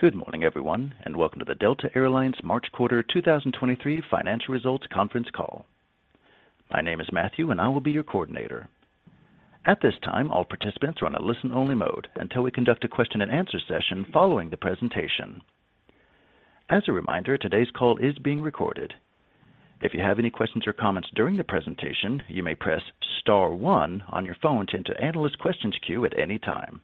Good morning, everyone, and welcome to the Delta Air Lines March Quarter 2023 Financial Results Conference Call. My name is Matthew, and I will be your coordinator. At this time, all participants are on a listen-only mode until we conduct a question-and-answer session following the presentation. As a reminder, today's call is being recorded. If you have any questions or comments during the presentation, you may press star one on your phone to enter analyst questions queue at any time.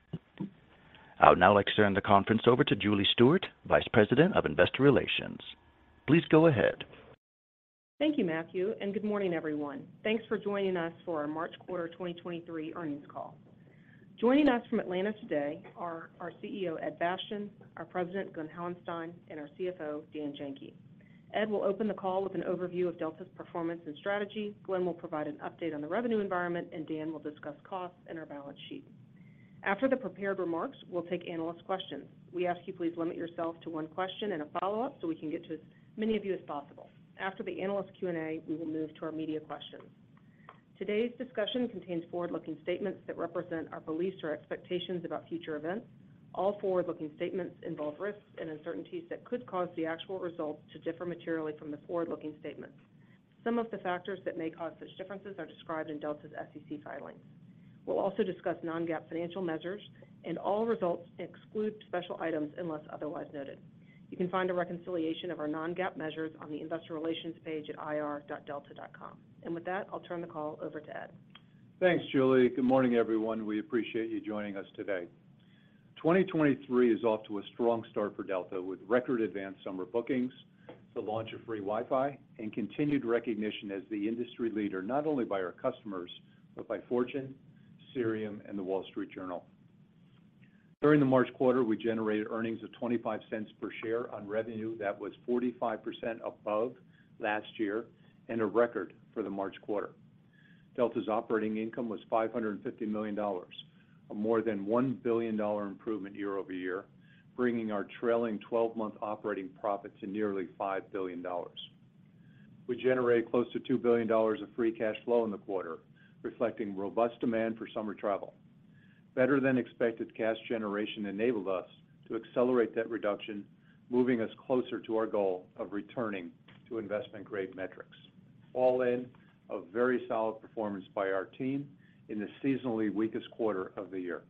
I would now like to turn the conference over to Julie Stewart, Vice President of Investor Relations. Please go ahead. Thank you, Matthew, and good morning, everyone. Thanks for joining us for our March Quarter 2023 Earnings Call. Joining us from Atlanta today are our CEO, Ed Bastian, our President, Glen Hauenstein, and our CFO, Dan Janki. Ed will open the call with an overview of Delta's performance and strategy. Glen will provide an update on the revenue environment, and Dan will discuss costs and our balance sheet. After the prepared remarks, we'll take analyst questions. We ask you please limit yourself to one question and a follow-up so we can get to as many of you as possible. After the analyst Q&A, we will move to our media questions. Today's discussion contains forward-looking statements that represent our beliefs or expectations about future events. All forward-looking statements involve risks and uncertainties that could cause the actual results to differ materially from the forward-looking statements. Some of the factors that may cause such differences are described in Delta's SEC filings. We'll also discuss non-GAAP financial measures and all results exclude special items unless otherwise noted. You can find a reconciliation of our non-GAAP measures on the investor relations page at ir.delta.com. With that, I'll turn the call over to Ed. Thanks, Julie. Good morning, everyone. We appreciate you joining us today. 2023 is off to a strong start for Delta with record advanced summer bookings, the launch of free Wi-Fi, and continued recognition as the industry leader, not only by our customers, but by Fortune, Cirium, and The Wall Street Journal. During the March quarter, we generated earnings of $0.25 per share on revenue that was 45% above last year and a record for the March quarter. Delta's operating income was $550 million, a more than $1 billion improvement year-over-year, bringing our trailing 12 month operating profit to nearly $5 billion. We generated close to $2 billion of free cash flow in the quarter, reflecting robust demand for summer travel. Better than expected cash generation enabled us to accelerate debt reduction, moving us closer to our goal of returning to investment-grade metrics, all in a very solid performance by our team in the seasonally weakest quarter of the year.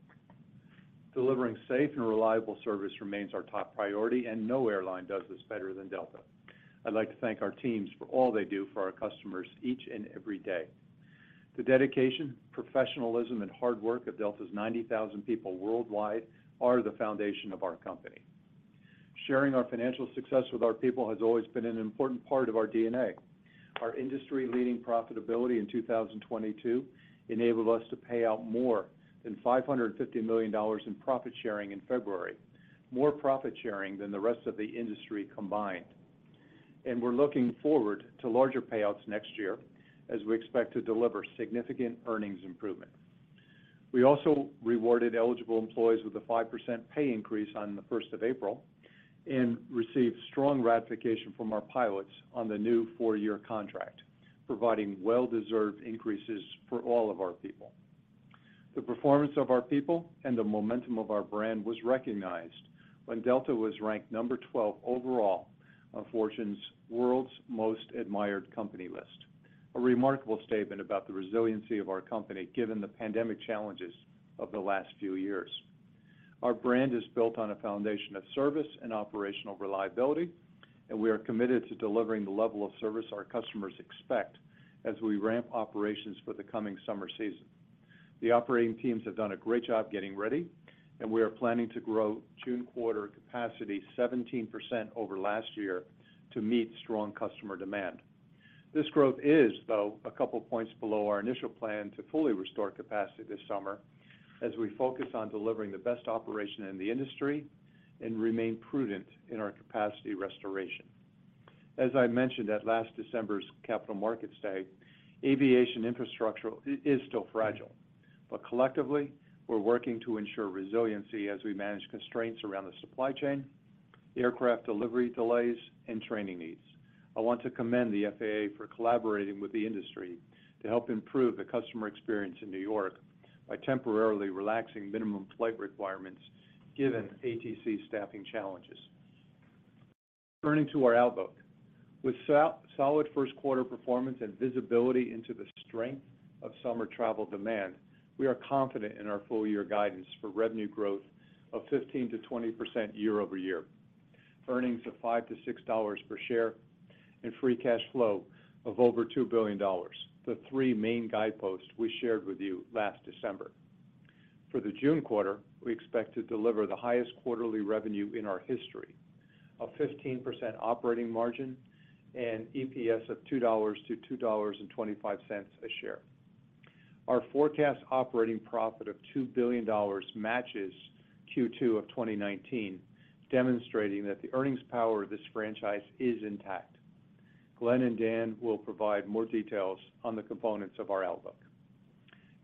No airline does this better than Delta. I'd like to thank our teams for all they do for our customers each and every day. The dedication, professionalism, and hard work of Delta's 90,000 people worldwide are the foundation of our company. Sharing our financial success with our people has always been an important part of our DNA. Our industry-leading profitability in 2022 enabled us to pay out more than $550 million in profit sharing in February, more profit sharing than the rest of the industry combined. We're looking forward to larger payouts next year as we expect to deliver significant earnings improvement. We also rewarded eligible employees with a 5% pay increase on the first of April and received strong ratification from our pilots on the new four year contract, providing well-deserved increases for all of our people. The performance of our people and the momentum of our brand was recognized when Delta was ranked number 12 overall on Fortune's World's Most Admired Company List. A remarkable statement about the resiliency of our company, given the pandemic challenges of the last few years. Our brand is built on a foundation of service and operational reliability, and we are committed to delivering the level of service our customers expect as we ramp operations for the coming summer season. The operating teams have done a great job getting ready. We are planning to grow June quarter capacity 17% over last year to meet strong customer demand. This growth is, though, a couple of points below our initial plan to fully restore capacity this summer as we focus on delivering the best operation in the industry and remain prudent in our capacity restoration. As I mentioned at last December's Capital Markets Day, aviation infrastructure is still fragile. Collectively, we're working to ensure resiliency as we manage constraints around the supply chain, aircraft delivery delays, and training needs. I want to commend the FAA for collaborating with the industry to help improve the customer experience in New York by temporarily relaxing minimum flight requirements given ATC staffing challenges. Turning to our outlook. With so-solid first quarter performance and visibility into the strength of summer travel demand, we are confident in our full year guidance for revenue growth of 15%-20% year-over-year. Earnings of $5-$6 per share and free cash flow of over $2 billion, the three main guideposts we shared with you last December. For the June quarter, we expect to deliver the highest quarterly revenue in our history of 15% operating margin and EPS of $2.00-$2.25 a share. Our forecast operating profit of $2 billion matches Q2 of 2019, demonstrating that the earnings power of this franchise is intact. Glen and Dan will provide more details on the components of our outlook.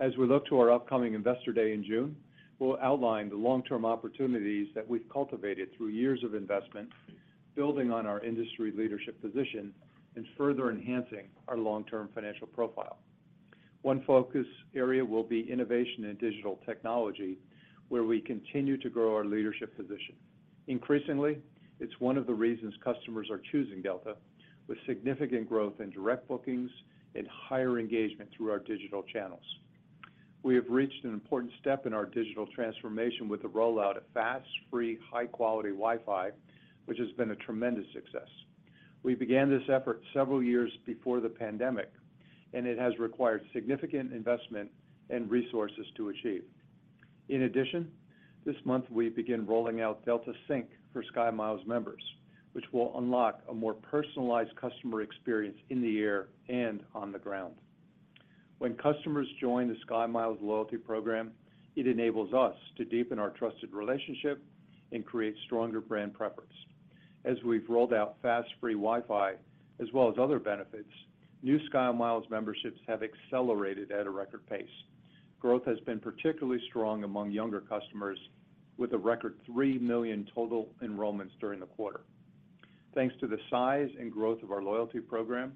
As we look to our upcoming Investor Day in June, we'll outline the long-term opportunities that we've cultivated through years of investment, building on our industry leadership position and further enhancing our long-term financial profile. One focus area will be innovation and digital technology, where we continue to grow our leadership position. Increasingly, it's one of the reasons customers are choosing Delta, with significant growth in direct bookings and higher engagement through our digital channels. We have reached an important step in our digital transformation with the rollout of fast, free, high-quality Wi-Fi, which has been a tremendous success. We began this effort several years before the pandemic, and it has required significant investment and resources to achieve. In addition, this month we begin rolling out Delta Sync for SkyMiles members, which will unlock a more personalized customer experience in the air and on the ground. When customers join the SkyMiles loyalty program, it enables us to deepen our trusted relationship and create stronger brand preference. As we've rolled out fast, free Wi-Fi, as well as other benefits, new SkyMiles memberships have accelerated at a record pace. Growth has been particularly strong among younger customers with a record 3 million total enrollments during the quarter. Thanks to the size and growth of our loyalty program,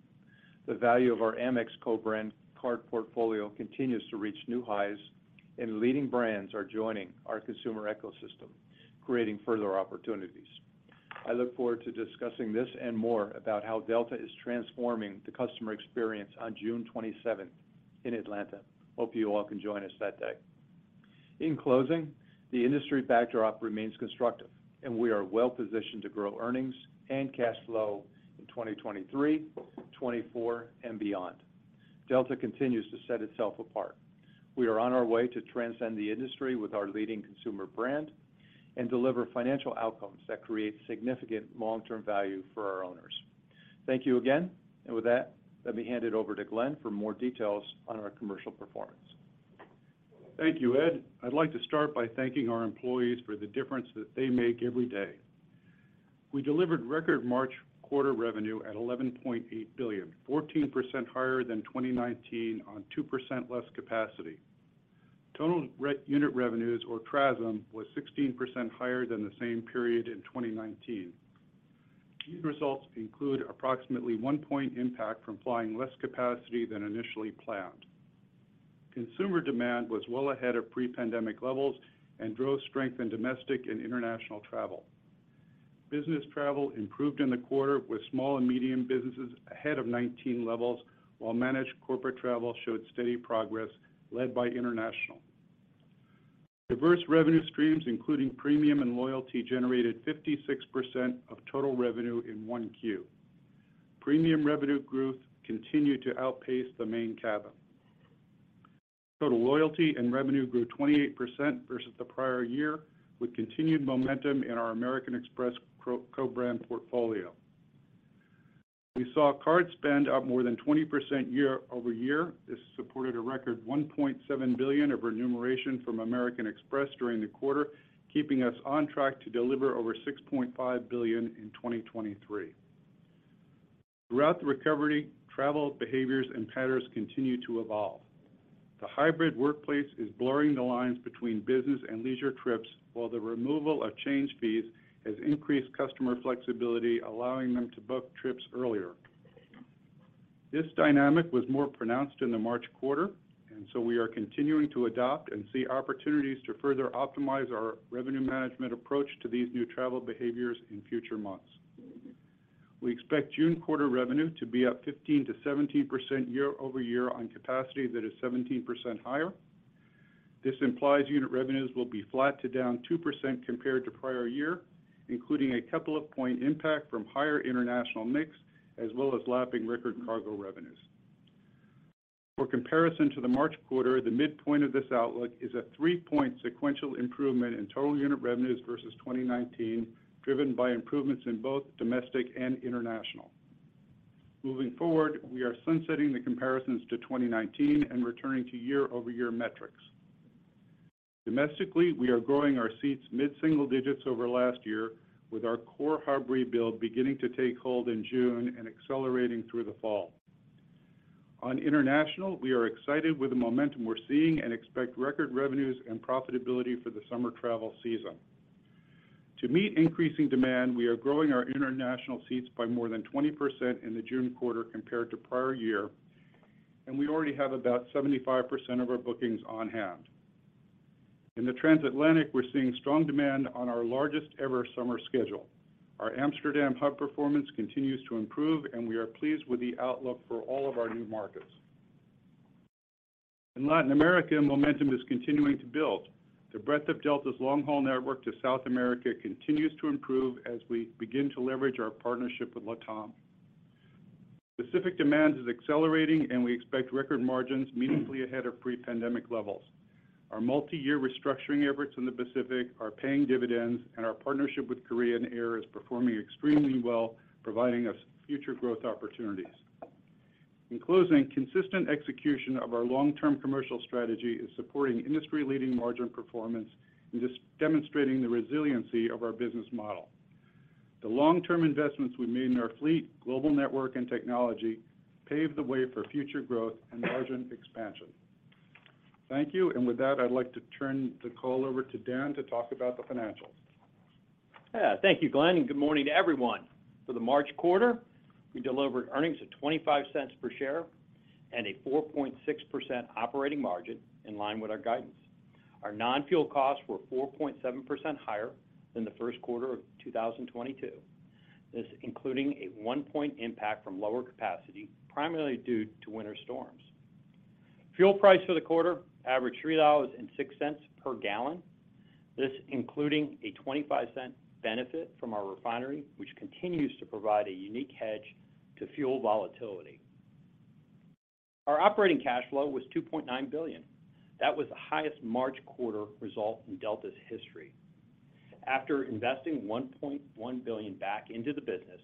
the value of our Amex co-brand card portfolio continues to reach new highs and leading brands are joining our consumer ecosystem, creating further opportunities. I look forward to discussing this and more about how Delta is transforming the customer experience on June 27th in Atlanta. Hope you all can join us that day. In closing, the industry backdrop remains constructive, and we are well-positioned to grow earnings and cash flow in 2023, 2024, and beyond. Delta continues to set itself apart. We are on our way to transcend the industry with our leading consumer brand and deliver financial outcomes that create significant long-term value for our owners. Thank you again. With that, let me hand it over to Glen for more details on our commercial performance. Thank you, Ed. I'd like to start by thanking our employees for the difference that they make every day. We delivered record March quarter revenue at $11.8 billion, 14% higher than 2019 on 2% less capacity. Total unit revenues or TRASM was 16% higher than the same period in 2019. These results include approximately one point impact from flying less capacity than initially planned. Consumer demand was well ahead of pre-pandemic levels and drove strength in domestic and international travel. Business travel improved in the quarter with small and medium businesses ahead of 2019 levels, while managed corporate travel showed steady progress led by international. Diverse revenue streams, including premium and loyalty, generated 56% of total revenue in 1Q. Premium revenue growth continued to outpace the main cabin. Total loyalty and revenue grew 28% versus the prior year, with continued momentum in our American Express co-brand portfolio. We saw card spend up more than 20% year-over-year. This supported a record $1.7 billion of remuneration from American Express during the quarter, keeping us on track to deliver over $6.5 billion in 2023. Throughout the recovery, travel behaviors and patterns continue to evolve. The hybrid workplace is blurring the lines between business and leisure trips, while the removal of change fees has increased customer flexibility, allowing them to book trips earlier. This dynamic was more pronounced in the March quarter. We are continuing to adopt and see opportunities to further optimize our revenue management approach to these new travel behaviors in future months. We expect June quarter revenue to be up 15%-17% year-over-year on capacity that is 17% higher. This implies unit revenues will be flat to down 2% compared to prior year, including a couple of point impact from higher international mix, as well as lapping record cargo revenues. For comparison to the March quarter, the midpoint of this outlook is a three point sequential improvement in total unit revenues versus 2019, driven by improvements in both domestic and international. Moving forward, we are sunsetting the comparisons to 2019 and returning to year-over-year metrics. Domestically, we are growing our seats mid-single digits over last year with our core hub rebuild beginning to take hold in June and accelerating through the fall. On international, we are excited with the momentum we're seeing and expect record revenues and profitability for the summer travel season. To meet increasing demand, we are growing our international seats by more than 20% in the June quarter compared to prior year. We already have about 75% of our bookings on hand. In the transatlantic, we're seeing strong demand on our largest ever summer schedule. Our Amsterdam hub performance continues to improve. We are pleased with the outlook for all of our new markets. In Latin America, momentum is continuing to build. The breadth of Delta's long-haul network to South America continues to improve as we begin to leverage our partnership with LATAM. Pacific demand is accelerating. We expect record margins meaningfully ahead of pre-pandemic levels. Our multi-year restructuring efforts in the Pacific are paying dividends. Our partnership with Korean Air is performing extremely well, providing us future growth opportunities. In closing, consistent execution of our long-term commercial strategy is supporting industry-leading margin performance and just demonstrating the resiliency of our business model. The long-term investments we've made in our fleet, global network, and technology pave the way for future growth and margin expansion. Thank you. With that, I'd like to turn the call over to Dan to talk about the financials. Thank you, Glen, and good morning to everyone. For the March quarter, we delivered earnings of $0.25 per share and a 4.6% operating margin in line with our guidance. Our non-fuel costs were 4.7% higher than the first quarter of 2022. This including a one point impact from lower capacity, primarily due to winter storms. Fuel price for the quarter averaged $3.06 per gallon. This including a $0.25 benefit from our refinery, which continues to provide a unique hedge to fuel volatility. Our operating cash flow was $2.9 billion. That was the highest March quarter result in Delta's history. After investing $1.1 billion back into the business,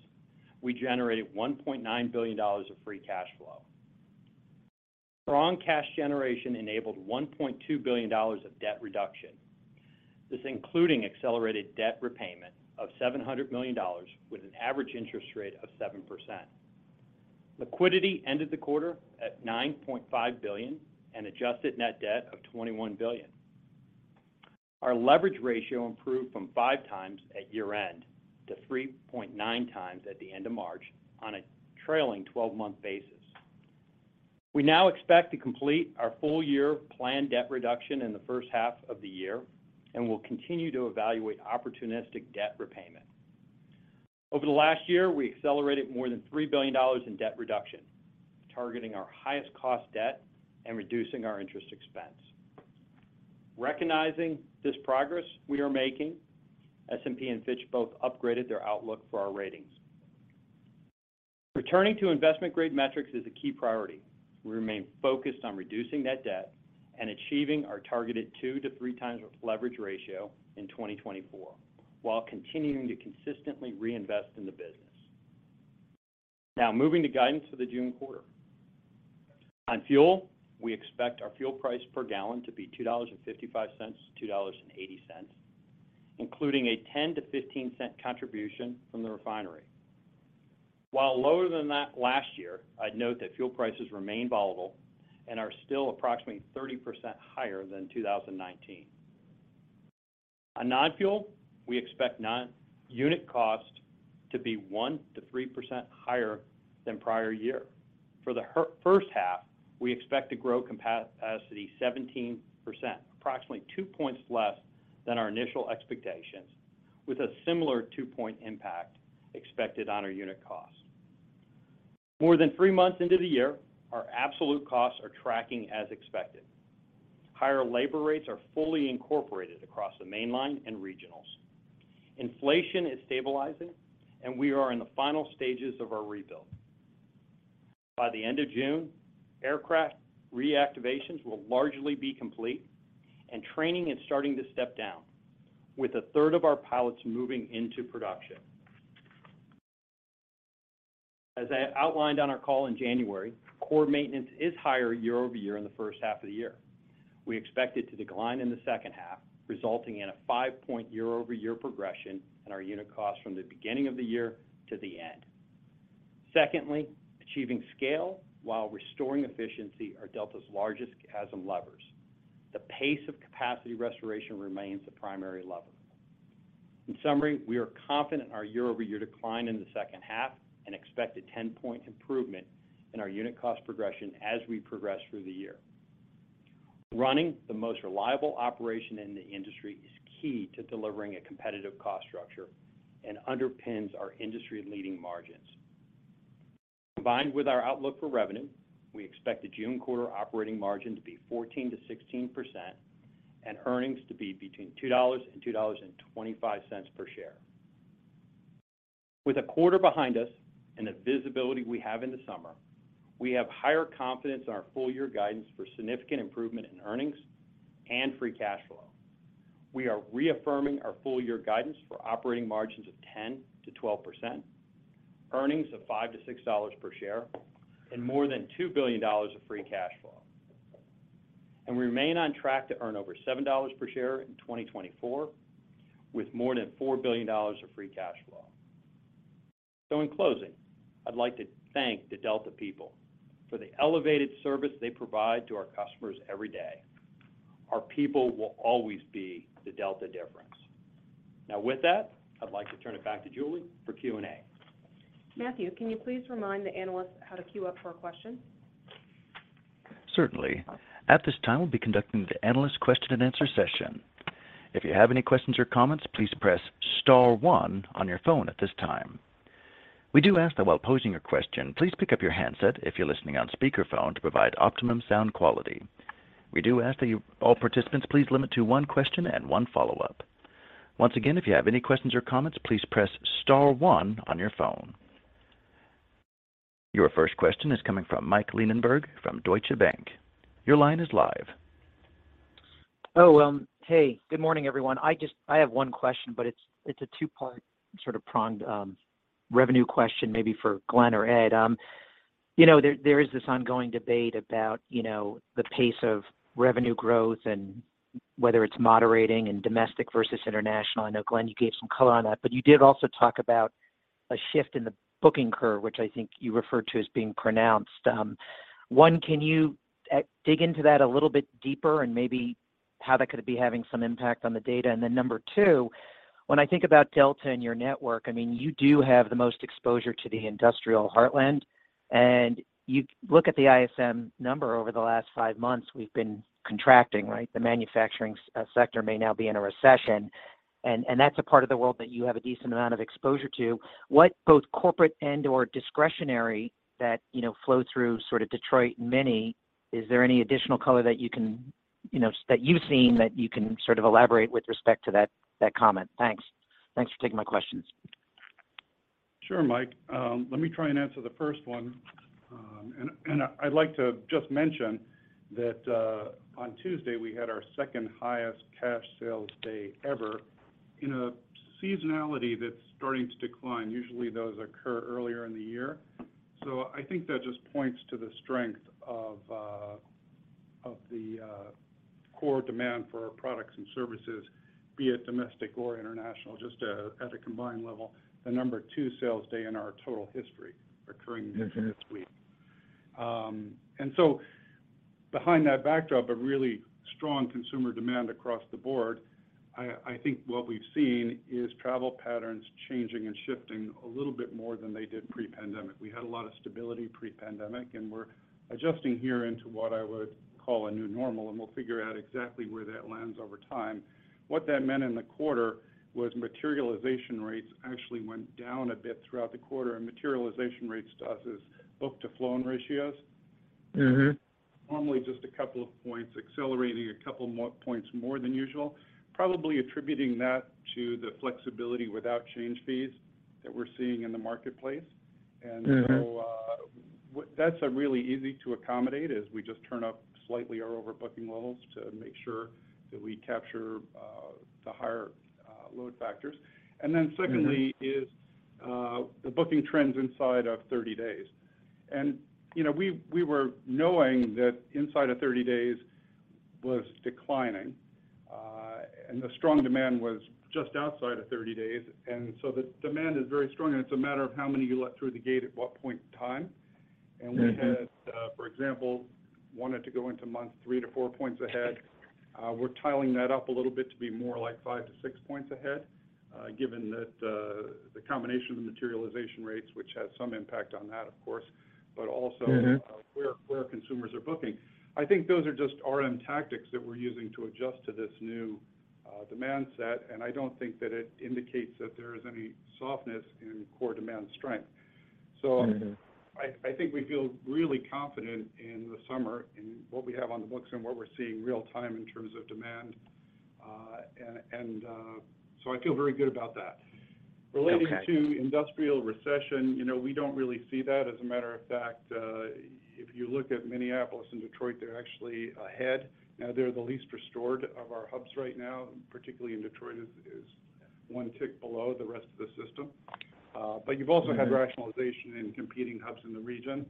we generated $1.9 billion of free cash flow. Strong cash generation enabled $1.2 billion of debt reduction. This including accelerated debt repayment of $700 million with an average interest rate of 7%. Liquidity ended the quarter at $9.5 billion and adjusted net debt of $21 billion. Our leverage ratio improved from 5x at year-end to 3.9x at the end of March on a trailing 12 month basis. We now expect to complete our full-year planned debt reduction in the first half of the year, and we'll continue to evaluate opportunistic debt repayment. Over the last year, we accelerated more than $3 billion in debt reduction, targeting our highest cost debt and reducing our interest expense. Recognizing this progress we are making, S&P and Fitch both upgraded their outlook for our ratings. Returning to investment-grade metrics is a key priority. We remain focused on reducing that debt and achieving our targeted 2-3x leverage ratio in 2024, while continuing to consistently reinvest in the business. Moving to guidance for the June quarter. On fuel, we expect our fuel price per gallon to be $2.55-$2.80, including a $0.10-$0.15 contribution from the refinery. While lower than that last year, I'd note that fuel prices remain volatile and are still approximately 30% higher than 2019. On non-fuel, we expect non-unit cost to be 1%-3% higher than prior year. For the first half, we expect to grow capacity 17%, approximately two points less than our initial expectations, with a similar two point impact expected on our unit cost. More than three months into the year, our absolute costs are tracking as expected. Higher labor rates are fully incorporated across the mainline and regionals. Inflation is stabilizing, and we are in the final stages of our rebuild. By the end of June, aircraft reactivations will largely be complete and training is starting to step down, with a third of our pilots moving into production. As I outlined on our call in January, core maintenance is higher year-over-year in the first half of the year. We expect it to decline in the second half, resulting in a five-point year-over-year progression in our unit cost from the beginning of the year to the end. Secondly, achieving scale while restoring efficiency are Delta's largest ASMs levers. The pace of capacity restoration remains the primary lever. In summary, we are confident in our year-over-year decline in the second half and expect a 10-point improvement in our unit cost progression as we progress through the year. Running the most reliable operation in the industry is key to delivering a competitive cost structure and underpins our industry-leading margins. Combined with our outlook for revenue, we expect the June quarter operating margin to be 14%-16% and earnings to be between $2.00-$2.25 per share. With a quarter behind us and the visibility we have in the summer, we have higher confidence in our full-year guidance for significant improvement in earnings and free cash flow. We are reaffirming our full-year guidance for operating margins of 10%-12%, earnings of $5-$6 per share, and more than $2 billion of free cash flow. We remain on track to earn over $7 per share in 2024 with more than $4 billion of free cash flow. In closing, I'd like to thank the Delta people for the elevated service they provide to our customers every day. Our people will always be the Delta difference. Now, with that, I'd like to turn it back to Julie for Q&A. Matthew, can you please remind the analysts how to queue up for a question? Certainly. At this time, we'll be conducting the analyst question and answer session. If you have any questions or comments, please press star one on your phone at this time. We do ask that while posing your question, please pick up your handset if you're listening on speakerphone to provide optimum sound quality. We do ask that all participants, please limit to one question and one follow-up. Once again, if you have any questions or comments, please press star one on your phone. Your first question is coming from Mike Linenberg from Deutsche Bank. Your line is live. Hey, good morning, everyone. I have one question, but it's a two-part sort of pronged revenue question maybe for Glen or Ed. you know, there is this ongoing debate about, you know, the pace of revenue growth and whether it's moderating in domestic versus international. I know, Glen, you gave some color on that, but you did also talk about A shift in the booking curve, which I think you referred to as being pronounced. One, can you dig into that a little bit deeper and maybe how that could be having some impact on the data? Then number two, when I think about Delta and your network, I mean, you do have the most exposure to the industrial heartland. You look at the ISM number over the last five months, we've been contracting, right? The manufacturing sector may now be in a recession, and that's a part of the world that you have a decent amount of exposure to. What both corporate and/or discretionary that, you know, flow through sort of Detroit mini, is there any additional color that you can, you know, that you've seen that you can sort of elaborate with respect to that comment? Thanks. Thanks for taking my questions. Sure, Mike. Let me try and answer the first one. I'd like to just mention that on Tuesday, we had our second highest cash sales day ever in a seasonality that's starting to decline. Usually, those occur earlier in the year. I think that just points to the strength of the core demand for our products and services, be it domestic or international, just at a combined level. The number two sales day in our total history occurring this week. Mm-hmm. Behind that backdrop of really strong consumer demand across the board, I think what we've seen is travel patterns changing and shifting a little bit more than they did pre-pandemic. We had a lot of stability pre-pandemic. We're adjusting here into what I would call a new normal, and we'll figure out exactly where that lands over time. What that meant in the quarter was materialization rates actually went down a bit throughout the quarter. Materialization rates to us is book to flown ratios. Mm-hmm. Normally just a couple of points, accelerating a couple more points more than usual, probably attributing that to the flexibility without change fees that we're seeing in the marketplace. Mm-hmm. That's really easy to accommodate, is we just turn up slightly our overbooking levels to make sure that we capture, the higher, load factors. Mm-hmm. Secondly is, the booking trends inside of 30 days. You know, we were knowing that inside of 30 days was declining, and the strong demand was just outside of 30 days. The demand is very strong, and it's a matter of how many you let through the gate at what point in time. Mm-hmm. We had, for example, wanted to go into month three to four points ahead. We're tiling that up a little bit to be more like five to six points ahead, given that the combination of the materialization rates, which has some impact on that, of course, but also. Mm-hmm ...where consumers are booking. I think those are just RM tactics that we're using to adjust to this new demand set. I don't think that it indicates that there is any softness in core demand strength. Mm-hmm. I think we feel really confident in the summer in what we have on the books and what we're seeing real time in terms of demand. I feel very good about that. Okay. Relating to industrial recession, you know, we don't really see that. As a matter of fact, if you look at Minneapolis and Detroit, they're actually ahead. Now they're the least restored of our hubs right now, particularly in Detroit is one tick below the rest of the system. Mm-hmm ...rationalization in competing hubs in the region.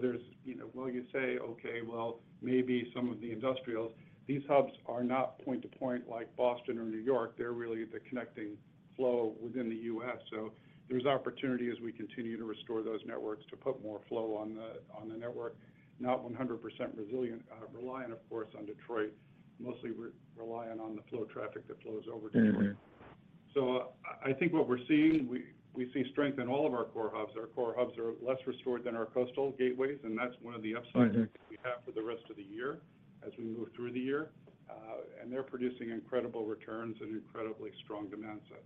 There's, you know, while you say, "Okay, well, maybe some of the industrials," these hubs are not point to point like Boston or New York. They're really the connecting flow within the U.S. There's opportunity as we continue to restore those networks to put more flow on the network. Not 100% reliant, of course, on Detroit. Mostly re-reliant on the flow traffic that flows over Detroit. Mm-hmm. I think what we're seeing, we see strength in all of our core hubs. Our core hubs are less restored than our coastal gateways, and that's one of the upsides-. Mm-hmm ...that we have for the rest of the year as we move through the year. They're producing incredible returns and incredibly strong demand sets.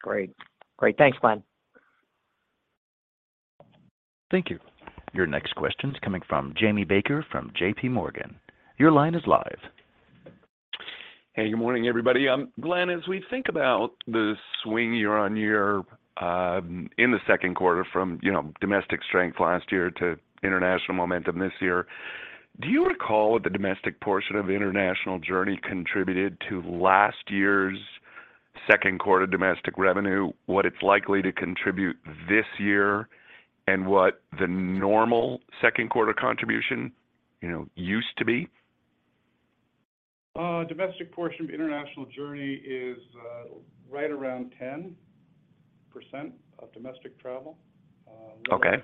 Great. Great. Thanks, Glen. Thank you. Your next question's coming from Jamie Baker from J.P. Morgan. Your line is live. Hey, good morning, everybody. Glen, as we think about the swing year-over-year, in the second quarter from, you know, domestic strength last year to international momentum this year, do you recall what the domestic portion of international journey contributed to last year's second quarter domestic revenue, what it's likely to contribute this year, and what the normal second quarter contribution, you know, used to be? Domestic portion of international journey is right around 10% of domestic travel. Okay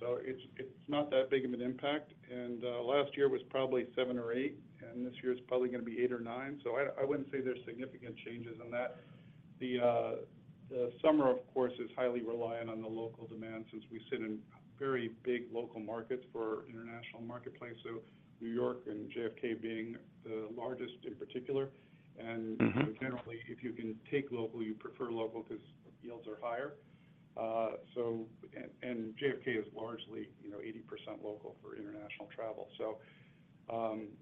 ...so it's not that big of an impact, and last year was probably seven or eight, and this year is probably gonna be eight or nine. I wouldn't say there's significant changes in that. The summer, of course, is highly reliant on the local demand since we sit in very big local markets for international marketplace. New York and JFK being the largest in particular. Mm-hmm. Generally, if you can take local, you prefer local because yields are higher. JFK is largely, you know, 80% local for international travel.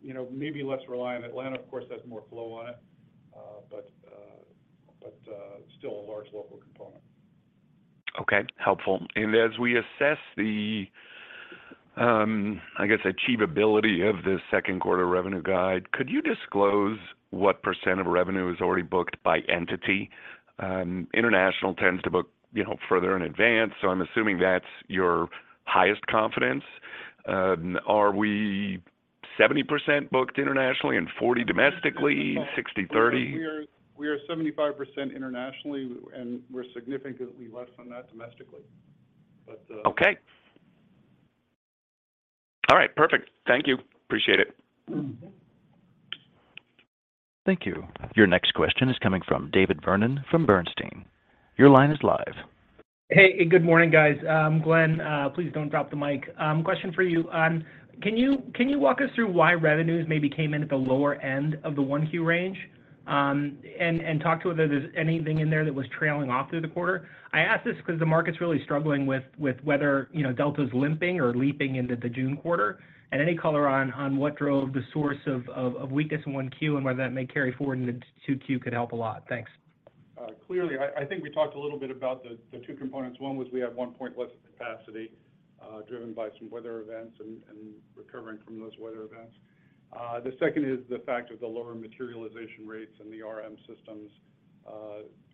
You know, maybe less reliant. Atlanta, of course, has more flow on it, but still a large local component. Okay. Helpful. As we assess the, I guess, achievability of the second quarter revenue guide, could you disclose what percent of revenue is already booked by entity? International tends to book, you know, further in advance, so I'm assuming that's your highest confidence. Are we 70% booked internationally and 40 domestically, 60/30? We are 75% internationally, and we're significantly less than that domestically. Okay. All right, perfect. Thank you. Appreciate it. Mm-hmm. Thank you. Your next question is coming from David Vernon from Bernstein. Your line is live. Hey, good morning, guys. Glen, please don't drop the mic. Question for you. Can you, can you walk us through why revenues maybe came in at the lower end of the 1Q range, and talk to whether there's anything in there that was trailing off through the quarter? I ask this because the market's really struggling with whether, you know, Delta's limping or leaping into the June quarter. Any color on what drove the source of, of weakness in 1Q and whether that may carry forward into 2Q could help a lot. Thanks. Clearly, I think we talked a little bit about the two components. One was we had one point less of capacity, driven by some weather events and recovering from those weather events. The second is the fact of the lower materialization rates and the RM systems,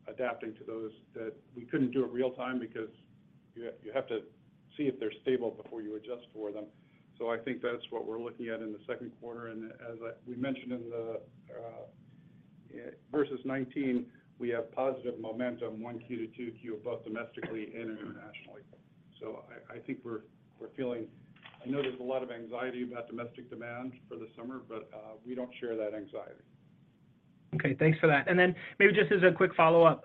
adapting to those that we couldn't do it real time because you have to see if they're stable before you adjust for them. I think that's what we're looking at in the second quarter. As we mentioned in the, yeah, versus 19, we have positive momentum, 1Q-2Q, both domestically and internationally. I think we're feeling... I know there's a lot of anxiety about domestic demand for the summer, but we don't share that anxiety. Okay. Thanks for that. Then maybe just as a quick follow-up,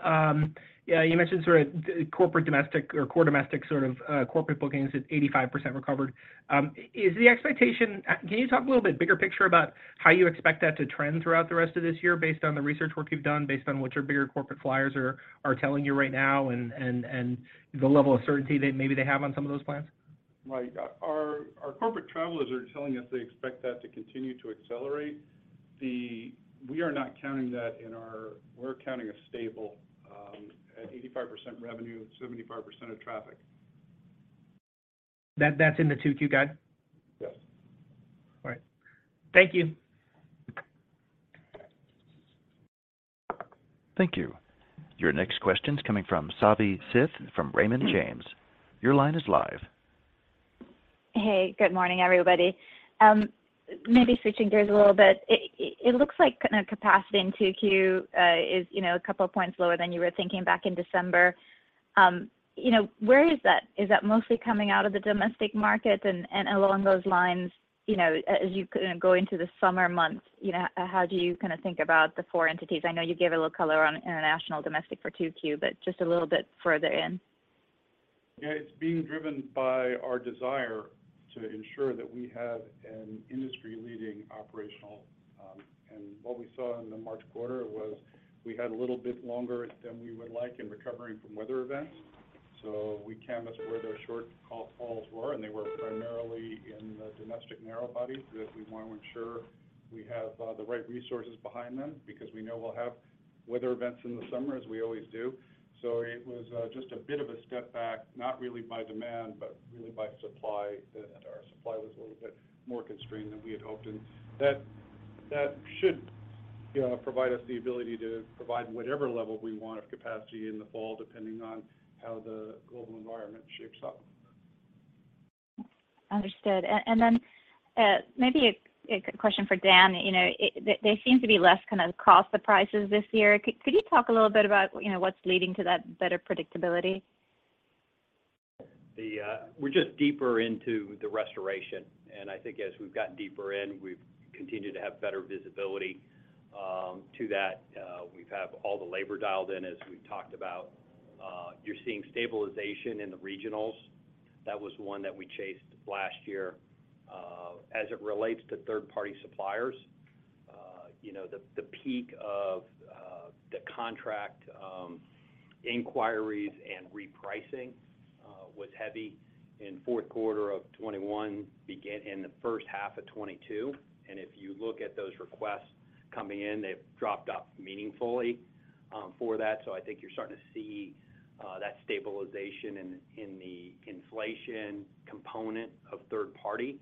yeah, you mentioned sort of corporate domestic or core domestic sort of, corporate bookings at 85% recovered. Can you talk a little bit bigger picture about how you expect that to trend throughout the rest of this year based on the research work you've done, based on what your bigger corporate flyers are telling you right now and the level of certainty that maybe they have on some of those plans? Right. Our corporate travelers are telling us they expect that to continue to accelerate. We are not counting that we're counting it stable, at 85% revenue and 75% of traffic. That's in the 2Q guide? Yes. All right. Thank you. Thank you. Your next question is coming from Savi Syth from Raymond James. Your line is live. Hey, good morning, everybody. Maybe switching gears a little bit. It looks like capacity in 2Q is, you know, a couple of points lower than you were thinking back in December. You know, where is that? Is that mostly coming out of the domestic market? Along those lines, you know, as you go into the summer months, you know, how do you think about the four entities? I know you gave a little color on international domestic for 2Q, just a little bit further in. Yeah. It's being driven by our desire to ensure that we have an industry-leading operational. What we saw in the March quarter was we had a little bit longer than we would like in recovering from weather events. We canvassed where their short hauls were, and they were primarily in the domestic narrow bodies that we wanna ensure we have the right resources behind them because we know we'll have weather events in the summer as we always do. It was just a bit of a step back, not really by demand, but really by supply. Our supply was a little bit more constrained than we had hoped. That should provide us the ability to provide whatever level we want of capacity in the fall, depending on how the global environment shapes up. Understood. Maybe a question for Dan. You know, there seem to be less kind of cost surprises this year. Could you talk a little bit about, you know, what's leading to that better predictability? We're just deeper into the restoration, and I think as we've gotten deeper in, we've continued to have better visibility to that. We've have all the labor dialed in, as we've talked about. You're seeing stabilization in the regionals. That was one that we chased last year. As it relates to third-party suppliers, you know, the peak of the contract inquiries and repricing was heavy in fourth quarter of 2021, began in the first half of 2022. If you look at those requests coming in, they've dropped off meaningfully for that. I think you're starting to see that stabilization in the inflation component of third party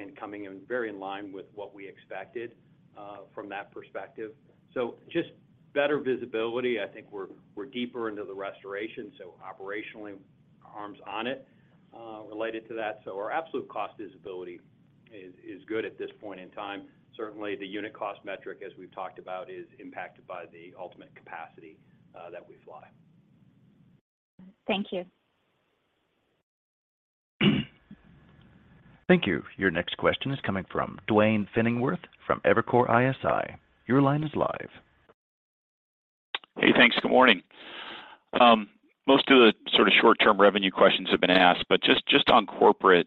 and coming in very in line with what we expected from that perspective. Just better visibility. I think we're deeper into the restoration, so operationally, arms on it, related to that. Our absolute cost visibility is good at this point in time. Certainly, the unit cost metric, as we've talked about, is impacted by the ultimate capacity, that we fly. Thank you. Thank you. Your next question is coming from Duane Pfennigwerth from Evercore ISI. Your line is live. Hey, thanks. Good morning. Most of the sort of short-term revenue questions have been asked, but just on corporate,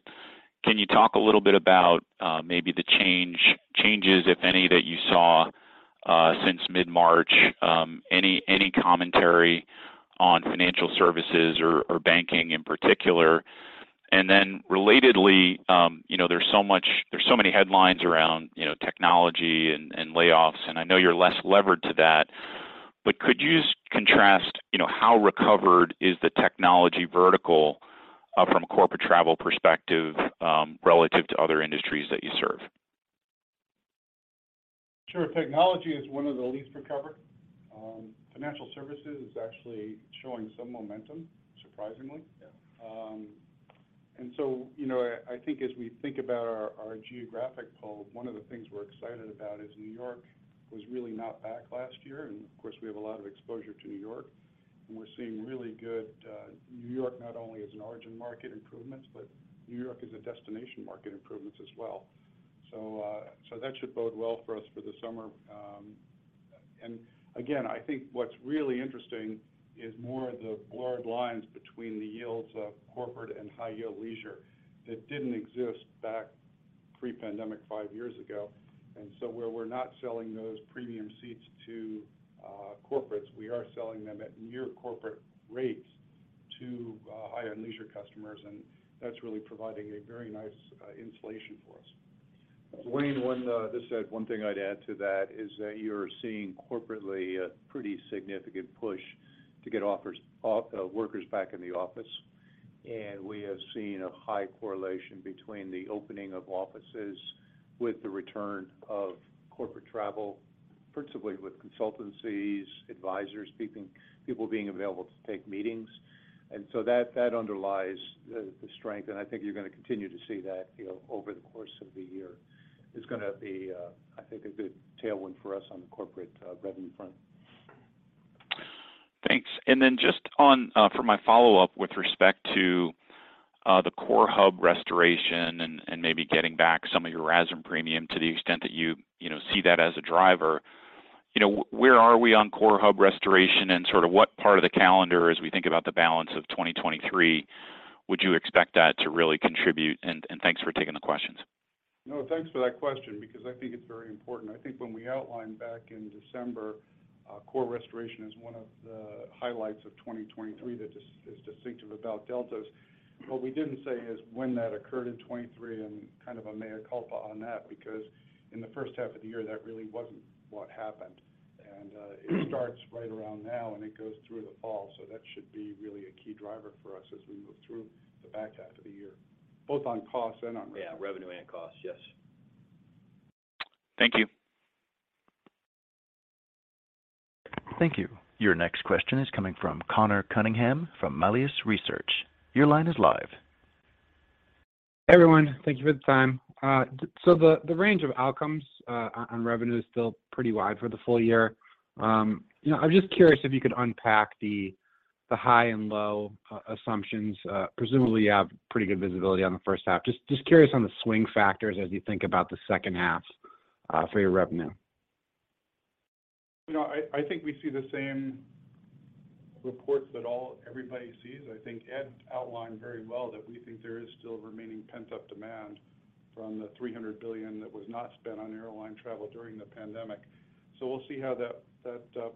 can you talk a little bit about, maybe the change, changes, if any, that you saw, since mid-March? Any commentary on financial services or banking in particular? Relatedly, you know, there's so many headlines around, you know, technology and layoffs, and I know you're less levered to that, but could you just contrast, you know, how recovered is the technology vertical, from a corporate travel perspective, relative to other industries that you serve? Sure. Technology is one of the least recovered. financial services is actually showing some momentum, surprisingly. Yeah. You know, I think as we think about our geographic pull, one of the things we're excited about is New York was really not back last year, and of course, we have a lot of exposure to New York. We're seeing really good New York, not only as an origin market improvements, but New York as a destination market improvements as well. That should bode well for us for the summer. Again, I think what's really interesting is more the blurred lines between the yields of corporate and high yield leisure that didn't exist back pre-pandemic five years ago. Where we're not selling those premium seats to corporates, we are selling them at near corporate rates to higher leisure customers, and that's really providing a very nice insulation for us. Duane, one, just one thing I'd add to that is that you're seeing corporately a pretty significant push to get workers back in the office. We have seen a high correlation between the opening of offices with the return of corporate travel, principally with consultancies, advisors, people being available to take meetings. That, that underlies the strength, and I think you're gonna continue to see that, you know, over the course of the year. It's gonna be, I think, a good tailwind for us on the corporate revenue front. Thanks. Then just on, for my follow-up with respect to, the core hub restoration and maybe getting back some of your RASM premium to the extent that you know, see that as a driver. You know, where are we on core hub restoration and sort of what part of the calendar as we think about the balance of 2023 would you expect that to really contribute? Thanks for taking the questions. No, thanks for that question because I think it's very important. I think when we outlined back in December, core restoration as one of the highlights of 2023 that is distinctive about Delta is, what we didn't say is when that occurred in 2023 and kind of a mea culpa on that. In the first half of the year, that really wasn't what happened. It starts right around now, and it goes through the fall, so that should be really a key driver for us as we move through the back half of the year, both on cost and on revenue. Yeah, revenue and cost. Yes. Thank you. Thank you. Your next question is coming from Conor Cunningham from Melius Research. Your line is live. Hey, everyone. Thank you for the time. The range of outcomes on revenue is still pretty wide for the full year. You know, I'm just curious if you could unpack the high and low assumptions. Presumably you have pretty good visibility on the first half. Just curious on the swing factors as you think about the second half for your revenue. You know, I think we see the same reports that everybody sees. I think Ed outlined very well that we think there is still remaining pent-up demand from the $300 billion that was not spent on airline travel during the pandemic. We'll see how that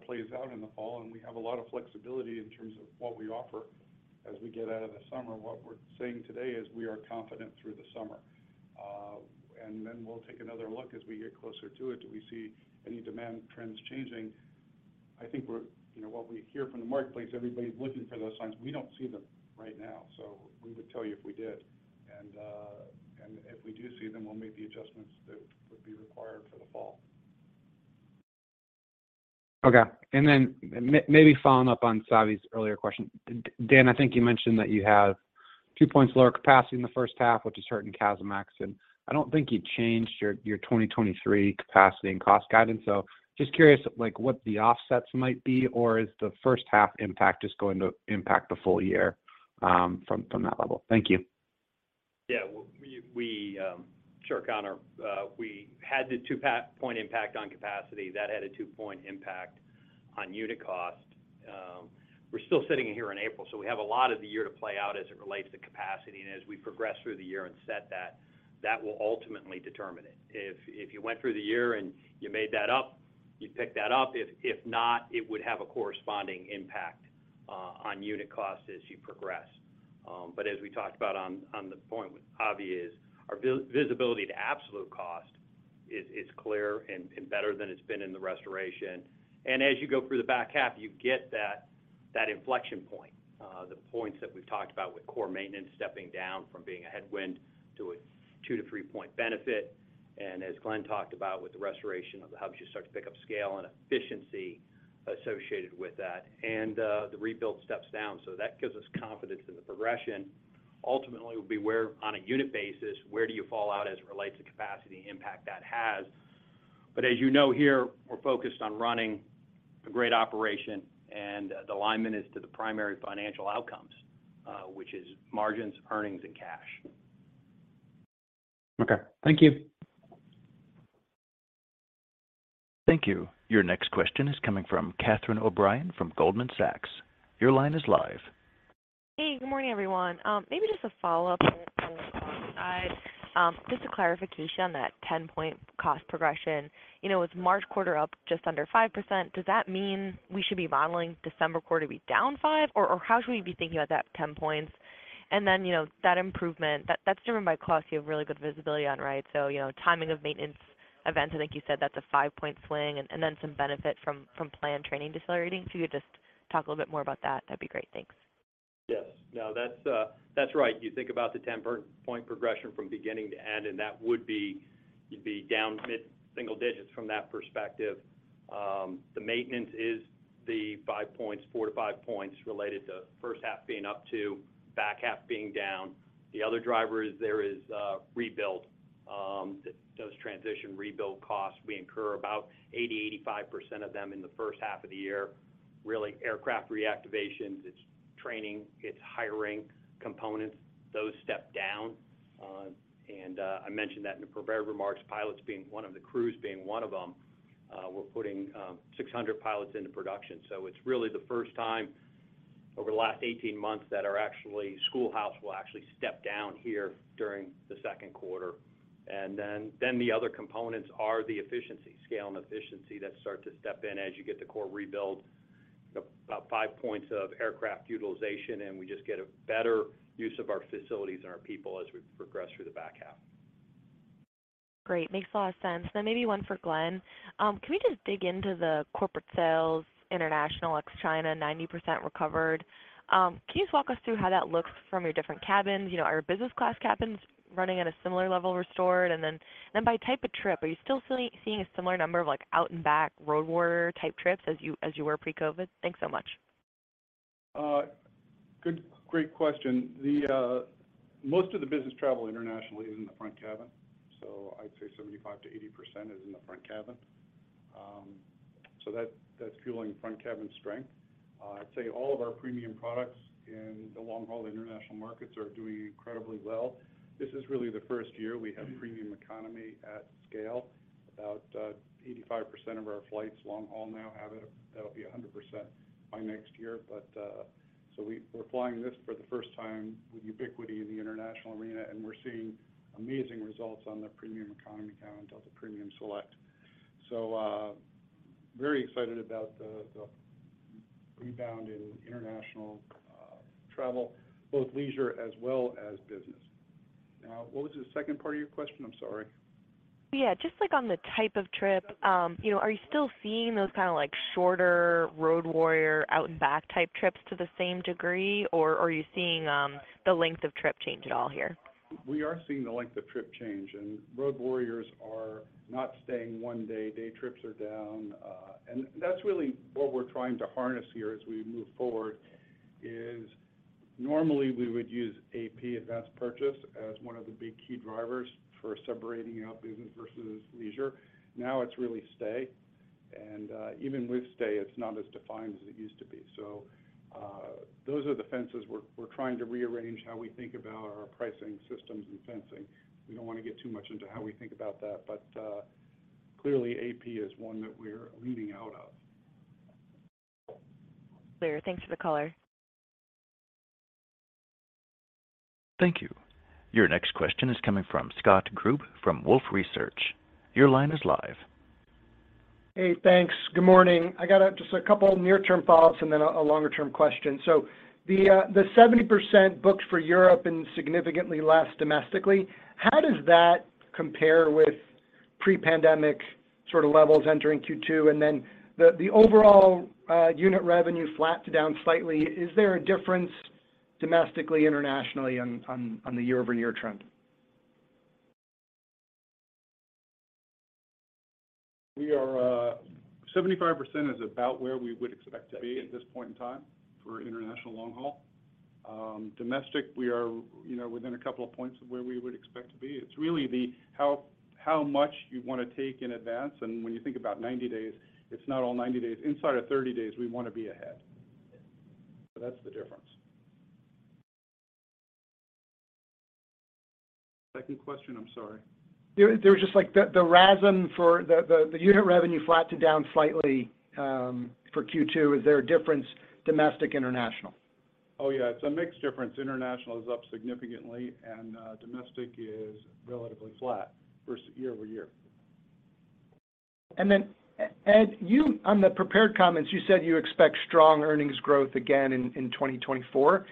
plays out in the fall, and we have a lot of flexibility in terms of what we offer as we get out of the summer. What we're saying today is we are confident through the summer. We'll take another look as we get closer to it. Do we see any demand trends changing? You know, what we hear from the marketplace, everybody's looking for those signs. We don't see them right now, so we would tell you if we did. And if we do see them, we'll make the adjustments that would be required for the fall. Okay. Maybe following up on Savi's earlier question. Dan, I think you mentioned that you have two points lower capacity in the first half, which is hurting CASM action. I don't think you changed your 2023 capacity and cost guidance. Just curious, like, what the offsets might be, or is the first half impact just going to impact the full year from that level? Thank you. Yeah. We, Sure, Conor. We had the two point impact on capacity. That had a two point impact on unit cost. We're still sitting here in April, we have a lot of the year to play out as it relates to capacity and as we progress through the year and set that will ultimately determine it. If you went through the year and you made that up, you picked that up. If not, it would have a corresponding impact on unit cost as you progress. As we talked about on the point with Savi is our visibility to absolute cost is clear and better than it's been in the restoration. As you go through the back half, you get that inflection point, the points that we've talked about with core maintenance stepping down from being a headwind to a two to three point benefit. As Glen talked about with the restoration of the hubs, you start to pick up scale and efficiency associated with that. The rebuild steps down, so that gives us confidence in the progression. Ultimately, it will be where on a unit basis, where do you fall out as it relates to capacity impact that has? As you know here, we're focused on running a great operation, and the alignment is to the primary financial outcomes, which is margins, earnings, and cash. Okay. Thank you. Thank you. Your next question is coming from Catherine O'Brien from Goldman Sachs. Your line is live. Hey, good morning, everyone. Maybe just a follow-up on the guide. Just a clarification on that 10-point cost progression. You know, with March quarter up just under 5%, does that mean we should be modeling December quarter to be down five? Or how should we be thinking about that 10 points? You know, that improvement, that's driven by costs you have really good visibility on, right? So, you know, timing of maintenance events, I think you said that's a five-point swing, and then some benefit from planned training decelerating. If you could just talk a little bit more about that'd be great. Thanks. Yes. No, that's right. You think about the 10-point progression from beginning to end, and you'd be down mid-single digits from that perspective. The maintenance is the five points, four to five points related to first half being up to back half being down. The other driver is there is rebuild, those transition rebuild costs we incur about 80%-85% of them in the first half of the year. Really aircraft reactivations, it's training, it's hiring components, those step down. I mentioned that in the prepared remarks, pilots being one of the crews being one of them. We're putting 600 pilots into production. It's really the first time over the last 18 months that our actually schoolhouse will actually step down here during the second quarter. Then the other components are the efficiency, scale and efficiency that start to step in as you get the core rebuild. About five points of aircraft utilization, we just get a better use of our facilities and our people as we progress through the back half. Great. Makes a lot of sense. Maybe one for Glen. Can we just dig into the corporate sales international, ex China, 90% recovered? Can you just walk us through how that looks from your different cabins? You know, are your business class cabins running at a similar level restored? Then by type of trip, are you still seeing a similar number of like out and back road warrior type trips as you were pre-COVID? Thanks so much. Good. Great question. The most of the business travel internationally is in the front cabin, so I'd say 75%-80% is in the front cabin. That's fueling front cabin strength. I'd say all of our premium products in the long-haul international markets are doing incredibly well. This is really the first year we have premium economy at scale. About 85% of our flights long haul now have it. That'll be 100% by next year. We're flying this for the first time with ubiquity in the international arena, and we're seeing amazing results on the premium economy count of the Delta Premium Select. Very excited about the rebound in international travel, both leisure as well as business. What was the second part of your question? I'm sorry. Yeah, just like on the type of trip. you know, are you still seeing those kinda like shorter road warrior out and back type trips to the same degree? Are you seeing, the length of trip change at all here? We are seeing the length of trip change. Road warriors are not staying one day. Day trips are down. That's really what we're trying to harness here as we move forward, is normally we would use AP, advanced purchase, as one of the big key drivers for separating out business versus leisure. Now it's really stay and, even with stay, it's not as defined as it used to be. Those are the fences we're trying to rearrange how we think about our pricing systems and fencing. We don't want to get too much into how we think about that, clearly AP is one that we're leading out of. Clear. Thanks for the color. Thank you. Your next question is coming from Scott Group from Wolfe Research. Your line is live. Hey, thanks. Good morning. I got just a couple near-term thoughts and then a longer-term question. The 70% booked for Europe and significantly less domestically, how does that compare with pre-pandemic sort of levels entering Q2? The overall unit revenue flat to down slightly. Is there a difference domestically, internationally on the year-over-year trend? We are, 75% is about where we would expect to be at this point in time for international long haul. domestic, we are, you know, within a couple of points of where we would expect to be. It's really the how much you wanna take in advance, and when you think about 90 days, it's not all 90 days. Inside of 30 days, we wanna be ahead. That's the difference. Second question, I'm sorry. There was just like the RASM for the unit revenue flat to down slightly for Q2. Is there a difference domestic, international? Yeah. It's a mixed difference. International is up significantly and domestic is relatively flat versus year-over-year. Ed, you on the prepared comments, you said you expect strong earnings growth again in 2024.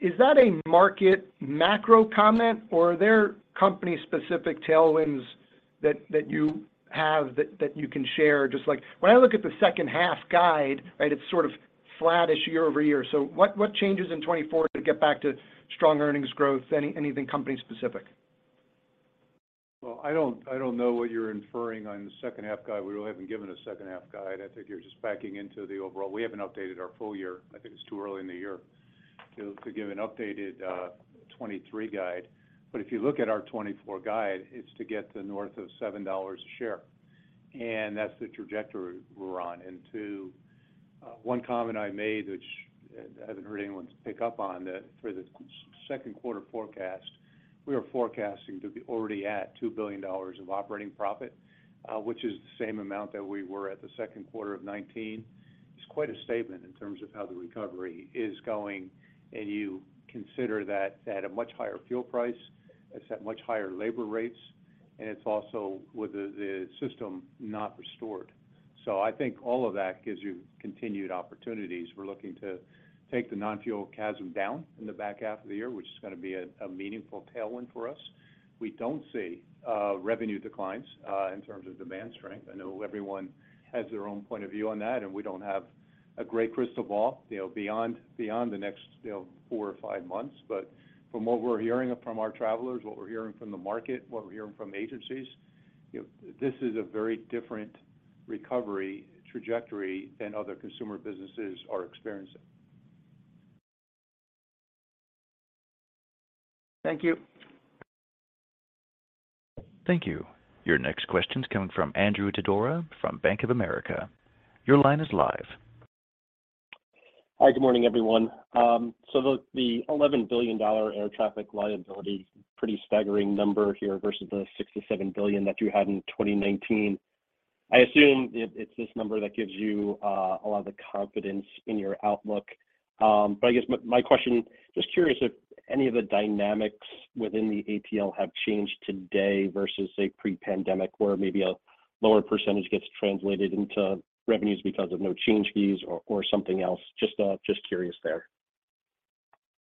Is that a market macro comment, or are there company specific tailwinds that you have that you can share? Just like when I look at the second half guide, right, it's sort of flattish year-over-year. What changes in 2024 to get back to strong earnings growth? Anything company specific? I don't know what you're inferring on the second half guide. We really haven't given a second half guide. I think you're just backing into the overall. We haven't updated our full year. I think it's too early in the year to give an updated 2023 guide. If you look at our 2024 guide, it's to get to north of $7 a share, and that's the trajectory we're on. To one comment I made, which I haven't heard anyone pick up on, that for the second quarter forecast, we are forecasting to be already at $2 billion of operating profit, which is the same amount that we were at the second quarter of 2019. It's quite a statement in terms of how the recovery is going. You consider that at a much higher fuel price, it's at much higher labor rates, and it's also with the system not restored. I think all of that gives you continued opportunities. We're looking to take the non-fuel CASM down in the back half of the year, which is gonna be a meaningful tailwind for us. We don't see revenue declines in terms of demand strength. I know everyone has their own point of view on that, we don't have a great crystal ball, you know, beyond the next, you know, four or five months. From what we're hearing from our travelers, what we're hearing from the market, what we're hearing from agencies, you know, this is a very different recovery trajectory than other consumer businesses are experiencing. Thank you. Thank you. Your next question's coming from Andrew Didora from Bank of America. Your line is live. Hi, good morning, everyone. The $11 billion Air Traffic Liability, pretty staggering number here versus the $6 billion-$7 billion that you had in 2019. I assume it's this number that gives you a lot of the confidence in your outlook. I guess my question, just curious if any of the dynamics within the ATL have changed today versus a pre-pandemic where maybe a lower percentage gets translated into revenues because of no change fees or something else. Just curious there.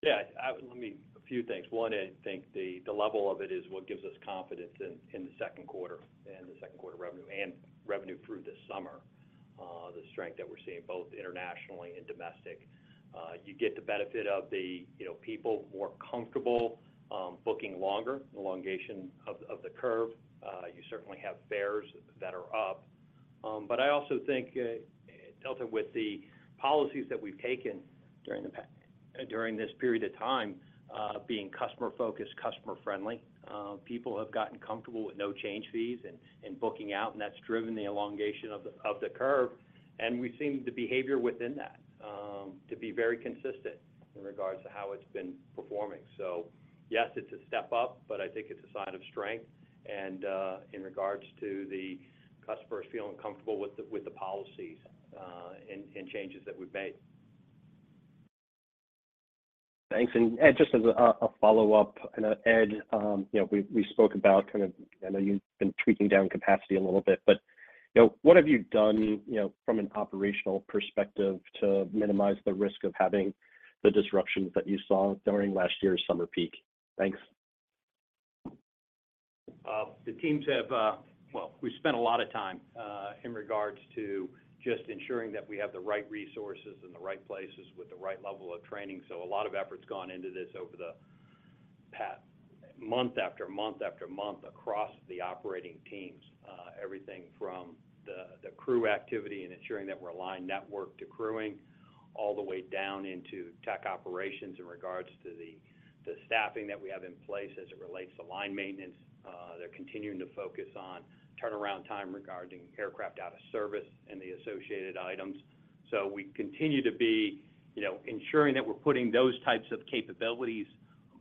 Yeah. A few things. One, I think the level of it is what gives us confidence in the second quarter and the second quarter revenue and revenue through the summer, the strength that we're seeing both internationally and domestic. You get the benefit of the, you know, people more comfortable booking longer, elongation of the curve. You certainly have fares that are up. I also think Delta with the policies that we've taken during this period of time, being customer-focused, customer-friendly, people have gotten comfortable with no change fees and booking out, and that's driven the elongation of the curve. We've seen the behavior within that to be very consistent in regards to how it's been performing. Yes, it's a step up, but I think it's a sign of strength and, in regards to the customers feeling comfortable with the policies, and changes that we've made. Thanks. Just as a follow-up, Ed, you know, we spoke about kind of, I know you've been tweaking down capacity a little bit, but, you know, what have you done, you know, from an operational perspective to minimize the risk of having the disruptions that you saw during last year's summer peak? Thanks. Well, the teams have spent a lot of time in regards to just ensuring that we have the right resources in the right places with the right level of training. A lot of effort's gone into this over the past month after month after month across the operating teams. Everything from the crew activity and ensuring that we're aligned network to crewing all the way down into tech operations in regards to the staffing that we have in place as it relates to line maintenance. They're continuing to focus on turnaround time regarding aircraft out of service and the associated items. We continue to be, you know, ensuring that we're putting those types of capabilities,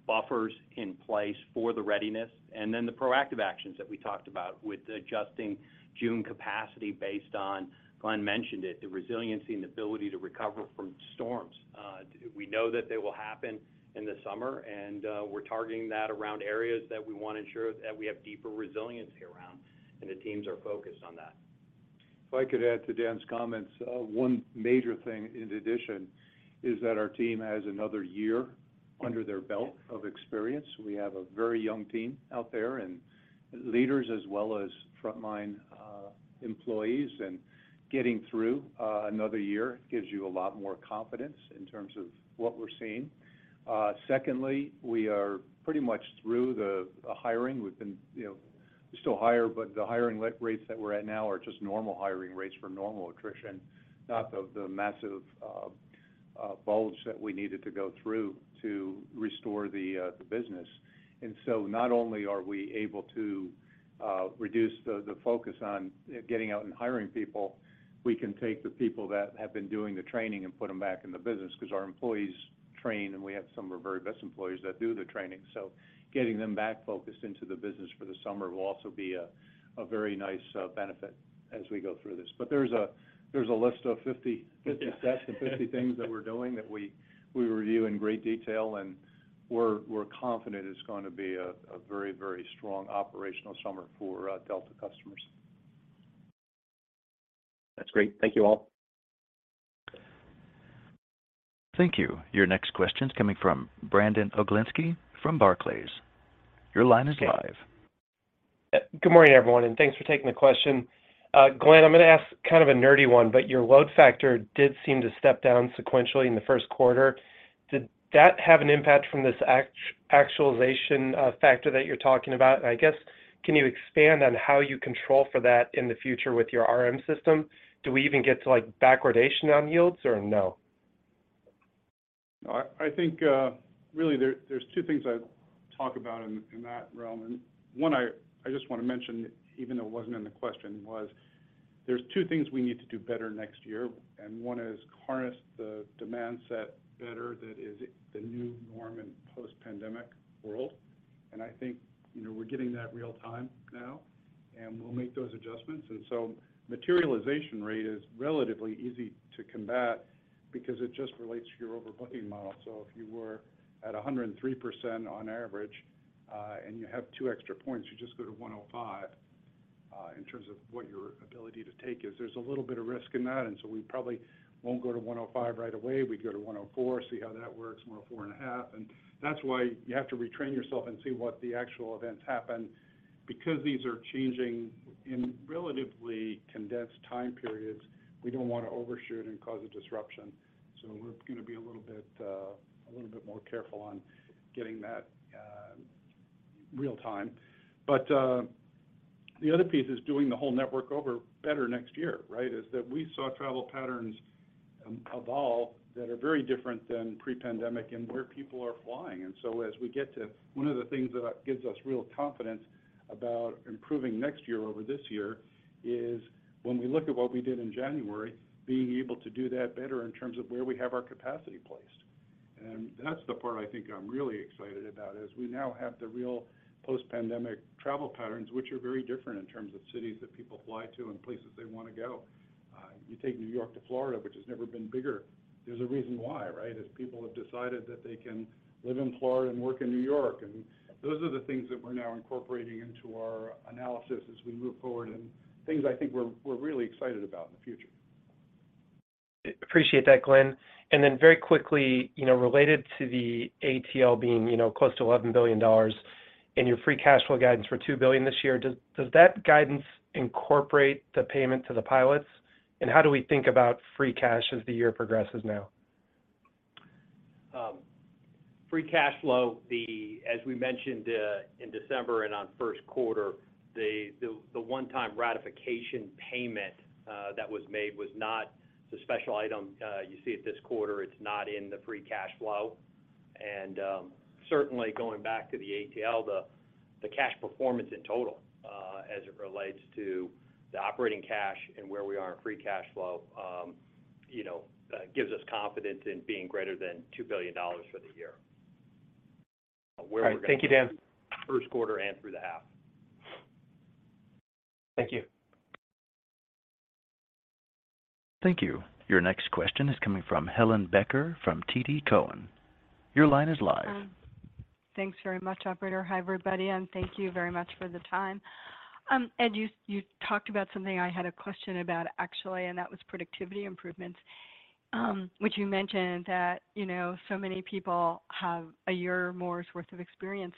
buffers in place for the readiness. Then the proactive actions that we talked about with adjusting June capacity based on, Glen mentioned it, the resiliency and ability to recover from storms. We know that they will happen in the summer, and, we're targeting that around areas that we want to ensure that we have deeper resiliency around, and the teams are focused on that. If I could add to Dan's comments, one major thing in addition is that our team has another year under their belt of experience. We have a very young team out there and leaders as well as frontline employees, and getting through another year gives you a lot more confidence in terms of what we're seeing. We are pretty much through the hiring. We've been, you know, we still hire, but the hiring rates that we're at now are just normal hiring rates for normal attrition, not the massive bulge that we needed to go through to restore the business. Not only are we able to reduce the focus on getting out and hiring people, we can take the people that have been doing the training and put them back in the business because our employees train, and we have some of our very best employees that do the training. Getting them back focused into the business for the summer will also be a very nice benefit as we go through this. There's a list of 50 steps and 50 things that we're doing that we review in great detail, and we're confident it's going to be a very, very strong operational summer for Delta customers. That's great. Thank you all. Thank you. Your next question's coming from Brandon Oglenski from Barclays. Your line is live. Good morning, everyone, thanks for taking the question. Glen, I'm gonna ask kind of a nerdy one, but your load factor did seem to step down sequentially in the first quarter. Did that have an impact from this actualization factor that you're talking about? I guess, can you expand on how you control for that in the future with your RM system? Do we even get to, like, backwardation on yields or no? I think really there's two things I talk about in that realm, one I just want to mention, even though it wasn't in the question, was there's two things we need to do better next year, and one is harness the demand set better that is the new norm in post-pandemic world. I think, you know, we're getting that real-time now, and we'll make those adjustments. Materialization rate is relatively easy to combat because it just relates to your overbooking model. If you were at 103% on average, and you have two extra points, you just go to 105. In terms of what your ability to take is. There's a little bit of risk in that. We probably won't go to 105 right away. We go to 104, see how that works, 104.5. That's why you have to retrain yourself and see what the actual events happen. These are changing in relatively condensed time periods, we don't want to overshoot and cause a disruption. We're going to be a little bit more careful on getting that real time. The other piece is doing the whole network over better next year, right? Is that we saw travel patterns evolve that are very different than pre-pandemic and where people are flying. As we get one of the things that gives us real confidence about improving next year over this year is when we look at what we did in January, being able to do that better in terms of where we have our capacity placed. That's the part I think I'm really excited about, is we now have the real post-pandemic travel patterns, which are very different in terms of cities that people fly to and places they wanna go. You take New York to Florida, which has never been bigger. There's a reason why, right? Is people have decided that they can live in Florida and work in New York. Those are the things that we're now incorporating into our analysis as we move forward and things I think we're really excited about in the future. Appreciate that, Glen. Very quickly, you know, related to the ATL being, you know, close to $11 billion and your free cash flow guidance for $2 billion this year, does that guidance incorporate the payment to the pilots? How do we think about free cash as the year progresses now? Free cash flow, as we mentioned in December and on first quarter, the one-time ratification payment that was made was not the special item you see at this quarter. It's not in the free cash flow. Certainly going back to the ATL, the cash performance in total, as it relates to the operating cash and where we are in free cash flow, you know, gives us confidence in being greater than $2 billion for the year. All right. Thank you, Dan. First quarter and through the half. Thank you. Thank you. Your next question is coming from Helane Becker from TD Cowen. Your line is live. Thanks very much, operator. Hi, everybody, and thank you very much for the time. Ed, you talked about something I had a question about actually, and that was productivity improvements, which you mentioned that, you know, so many people have a year or more's worth of experience.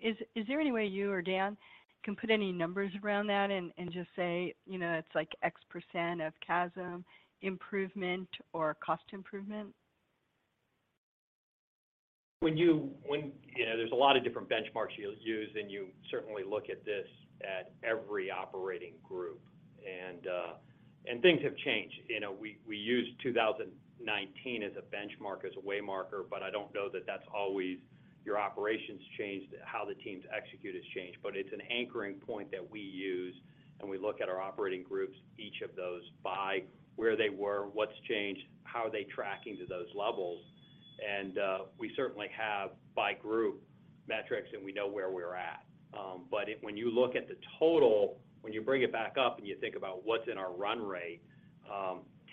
Is there any way you or Dan can put any numbers around that and just say, you know, it's like X% of CASM improvement or cost improvement? When you know, there's a lot of different benchmarks you'll use, and you certainly look at this at every operating group. Things have changed. You know, we used 2019 as a benchmark, as a way marker, but I don't know that that's always your operations changed, how the teams execute has changed. It's an anchoring point that we use, and we look at our operating groups, each of those by where they were, what's changed, how are they tracking to those levels. We certainly have by group metrics, and we know where we're at. When you look at the total, when you bring it back up and you think about what's in our run rate,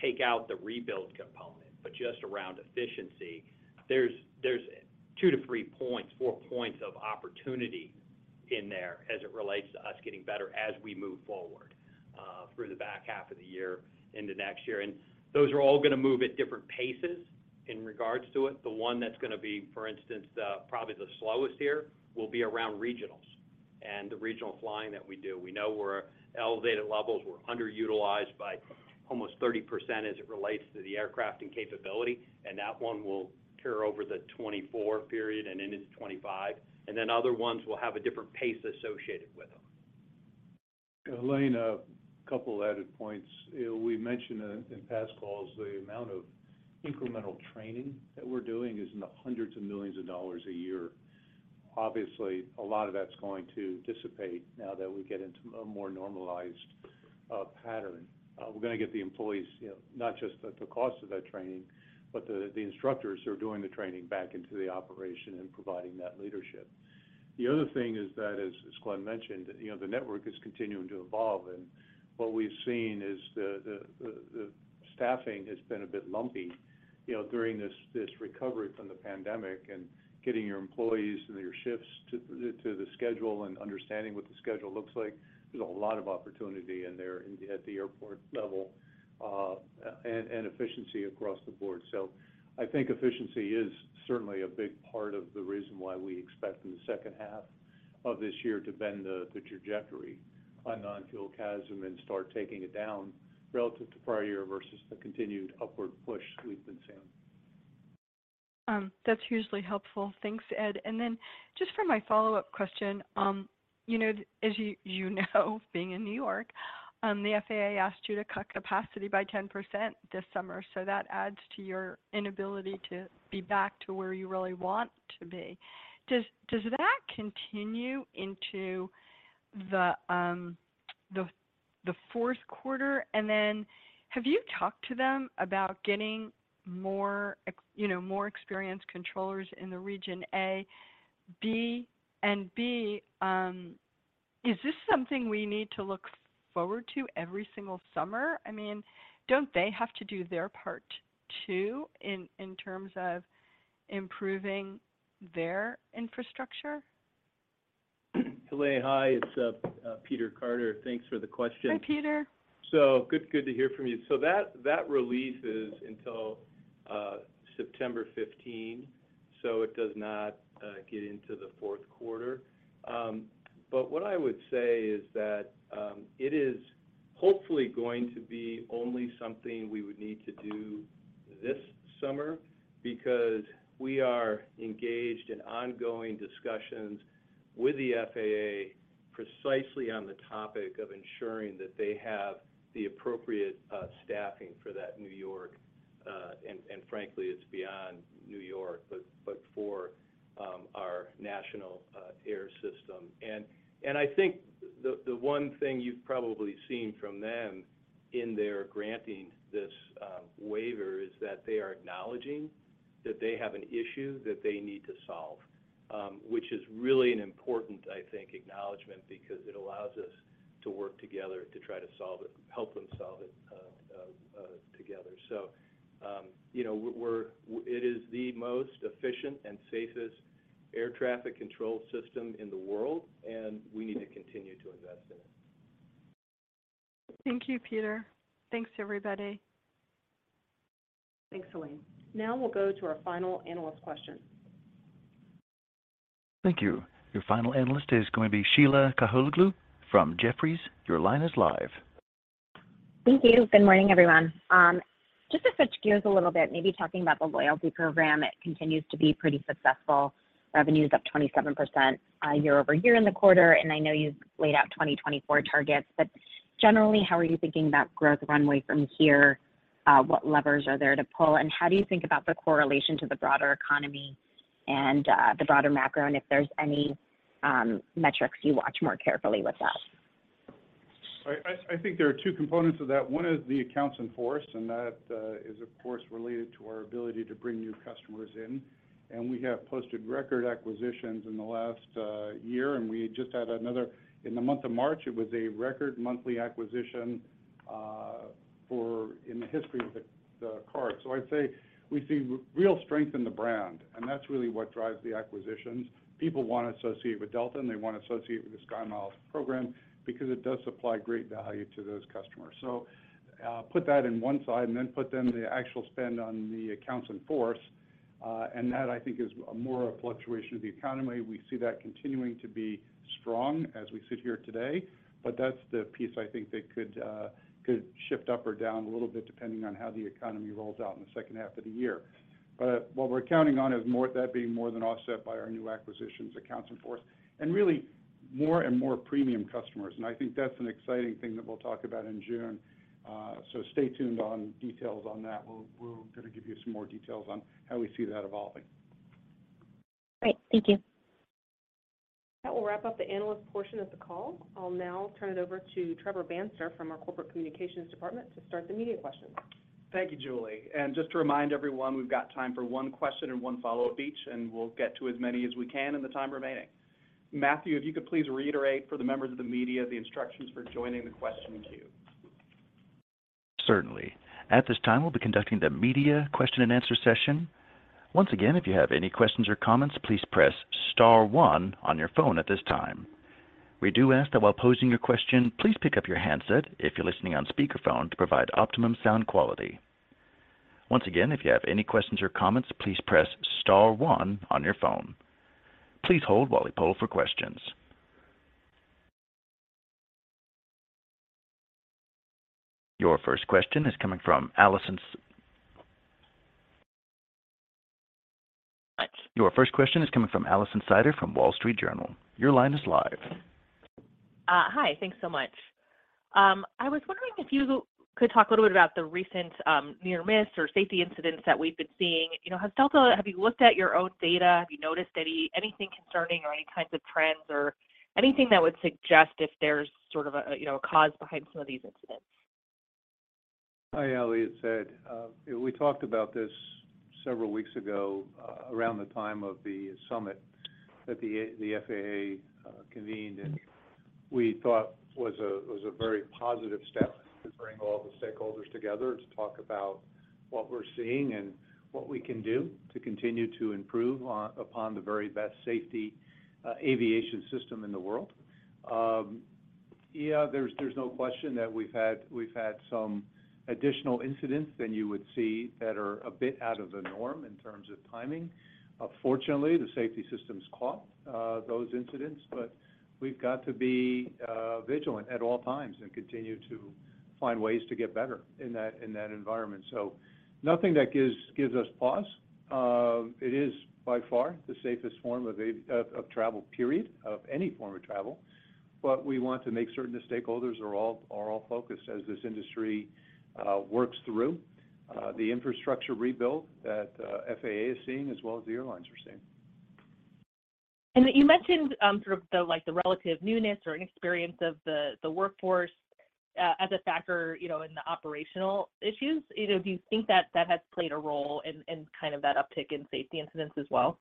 take out the rebuild component. Just around efficiency, there's two to three points, four points of opportunity in there as it relates to us getting better as we move forward through the back half of the year into next year. Those are all gonna move at different paces in regards to it. The one that's gonna be, for instance, probably the slowest here will be around regionals and the regional flying that we do. We know we're at elevated levels. We're underutilized by almost 30% as it relates to the aircraft and capability, and that one will carry over the 2024 period and into 2025. Other ones will have a different pace associated with them. Helane, a couple added points. You know, we mentioned in past calls the amount of incremental training that we're doing is in the hundreds of millions a year. Obviously, a lot of that's going to dissipate now that we get into a more normalized pattern. We're gonna get the employees, you know, not just at the cost of that training, but the instructors who are doing the training back into the operation and providing that leadership. The other thing is that, as Glen mentioned, you know, the network is continuing to evolve. What we've seen is the staffing has been a bit lumpy, you know, during this recovery from the pandemic and getting your employees and your shifts to the schedule and understanding what the schedule looks like. There's a lot of opportunity in there at the airport level, and efficiency across the board. I think efficiency is certainly a big part of the reason why we expect in the second half of this year to bend the trajectory on non-fuel CASM and start taking it down relative to prior year versus the continued upward push we've been seeing. That's hugely helpful. Thanks, Ed. Just for my follow-up question, you know, as you know, being in New York, the FAA asked you to cut capacity by 10% this summer. That adds to your inability to be back to where you really want to be. Does that continue into the fourth quarter? Have you talked to them about getting more, you know, more experienced controllers in the region A, B, and B, is this something we need to look forward to every single summer? I mean, don't they have to do their part? too, in terms of improving their infrastructure? Helane, hi. It's Peter Carter. Thanks for the question. Hi, Peter. Good to hear from you. That relief is until September 15, so it does not get into the fourth quarter. What I would say is that it is hopefully going to be only something we would need to do this summer because we are engaged in ongoing discussions with the FAA precisely on the topic of ensuring that they have the appropriate staffing for that New York, and frankly, it's beyond New York, but for our national air system. I think the one thing you've probably seen from them in their granting this waiver is that they are acknowledging that they have an issue that they need to solve, which is really an important, I think, acknowledgment because it allows us to work together to try to help them solve it together. You know, It is the most efficient and safest air traffic control system in the world, and we need to continue to invest in it. Thank you, Peter. Thanks, everybody. Thanks, Helane. Now we'll go to our final analyst question. Thank you. Your final analyst is going to be Sheila Kahyaoglu from Jefferies. Your line is live. Thank you. Good morning, everyone. Just to switch gears a little bit, maybe talking about the loyalty program, it continues to be pretty successful. Revenue's up 27%, year-over-year in the quarter. I know you've laid out 2024 targets. Generally, how are you thinking about growth runway from here? What levers are there to pull, and how do you think about the correlation to the broader economy and the broader macro? If there's any metrics you watch more carefully with that? I think there are two components of that. One is the accounts in force, and that is of course related to our ability to bring new customers in. We have posted record acquisitions in the last year, and we just had another in the month of March, it was a record monthly acquisition for in the history of the card. I'd say we see real strength in the brand, and that's really what drives the acquisitions. People want to associate with Delta, and they want to associate with the SkyMiles program because it does supply great value to those customers. Put that in one side and then put then the actual spend on the accounts in force, and that I think is more a fluctuation of the economy. We see that continuing to be strong as we sit here today, that's the piece I think that could shift up or down a little bit depending on how the economy rolls out in the second half of the year. What we're counting on is more that being more than offset by our new acquisitions, accounts in force, and really more and more premium customers, and I think that's an exciting thing that we'll talk about in June. Stay tuned on details on that. We'll kind of give you some more details on how we see that evolving. Great. Thank you. That will wrap up the analyst portion of the call. I'll now turn it over to Trebor Banstetter from our corporate communications department to start the media questions. Thank you, Julie. Just to remind everyone, we've got time for one question and one follow-up each, and we'll get to as many as we can in the time remaining. Matthew, if you could please reiterate for the members of the media the instructions for joining the question queue. Certainly. At this time, we'll be conducting the media question and answer session. Once again, if you have any questions or comments, please press star one on your phone at this time. We do ask that while posing your question, please pick up your handset if you're listening on speakerphone to provide optimum sound quality. Once again, if you have any questions or comments, please press star one on your phone. Please hold while we poll for questions. Your first question is coming from Alison Sider from Wall Street Journal. Your line is live. Hi. Thanks so much. I was wondering if you could talk a little bit about the recent near-miss or safety incidents that we've been seeing. You know, have you looked at your own data? Have you noticed anything concerning or any kinds of trends or anything that would suggest if there's sort of a, you know, a cause behind some of these incidents? Hi, Allie, it's Ed. We talked about this several weeks ago, around the time of the summit that the FAA convened, and we thought was a very positive step to bring all the stakeholders together to talk about what we're seeing and what we can do to continue to improve upon the very best safety aviation system in the world. Yeah, there's no question that we've had some additional incidents than you would see that are a bit out of the norm in terms of timing. Fortunately, the safety systems caught those incidents, but we've got to be vigilant at all times and continue to find ways to get better in that, in that environment. Nothing that gives us pause. It is by far the safest form of travel, period, of any form of travel. We want to make certain the stakeholders are all focused as this industry works through the infrastructure rebuild that FAA is seeing as well as the airlines are seeing. You mentioned, sort of the, like, the relative newness or inexperience of the workforce, as a factor, you know, in the operational issues. You know, do you think that that has played a role in kind of that uptick in safety incidents as well?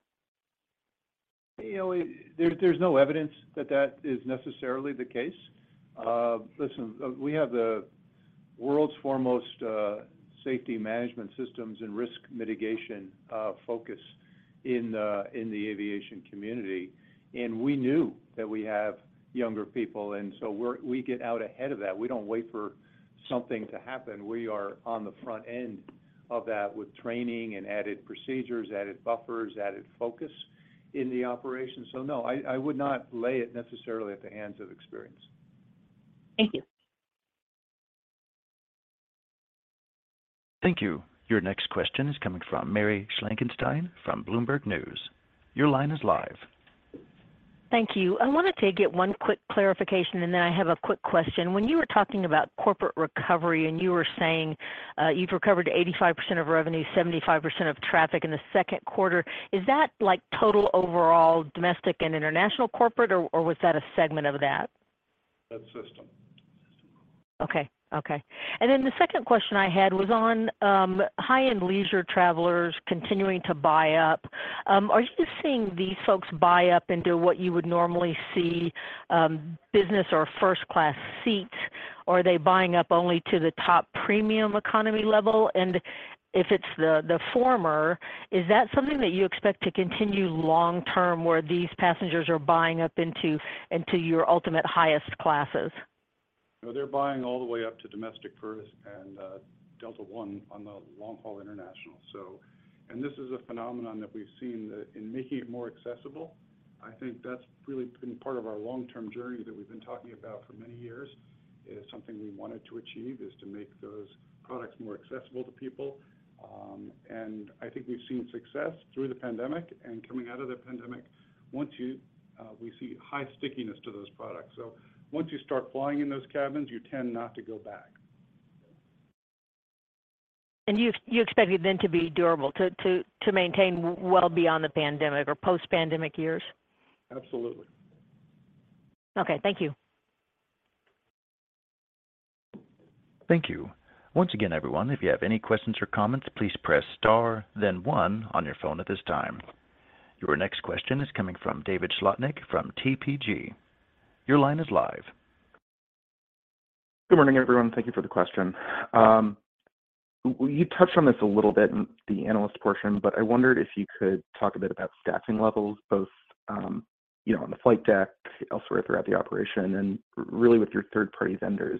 You know, there's no evidence that that is necessarily the case. Listen, we have the world's foremost safety management systems and risk mitigation focus in the aviation community. We knew that we have younger people and so we get out ahead of that. We don't wait for something to happen. We are on the front end of that with training and added procedures, added buffers, added focus in the operation. No, I would not lay it necessarily at the hands of experience. Thank you. Thank you. Your next question is coming from Mary Schlangenstein from Bloomberg News. Your line is live. Thank you. I wanted to get one quick clarification, and then I have a quick question. When you were talking about corporate recovery and you were saying, you've recovered 85% of revenue, 75% of traffic in the second quarter, is that like total overall domestic and international corporate, or was that a segment of that? That's system. Okay. Okay. Then the second question I had was on high-end leisure travelers continuing to buy up. Are you seeing these folks buy up into what you would normally see business or first class seats? Or are they buying up only to the top premium economy level? If it's the former, is that something that you expect to continue long term, where these passengers are buying up into your ultimate highest classes? No, they're buying all the way up to Domestic First and Delta One on the long-haul international. This is a phenomenon that we've seen that in making it more accessible, I think that's really been part of our long-term journey that we've been talking about for many years. It is something we wanted to achieve, is to make those products more accessible to people. I think we've seen success through the pandemic and coming out of the pandemic. We see high stickiness to those products. Once you start flying in those cabins, you tend not to go back. You expect it then to be durable, to maintain well beyond the pandemic or post-pandemic years? Absolutely. Okay. Thank you. Thank you. Once again, everyone, if you have any questions or comments, please press Star, then one on your phone at this time. Your next question is coming from David Slotnick from TPG. Your line is live. Good morning, everyone. Thank you for the question. Well, you touched on this a little bit in the analyst portion, but I wondered if you could talk a bit about staffing levels both, you know, on the flight deck, elsewhere throughout the operation, and really with your third-party vendors.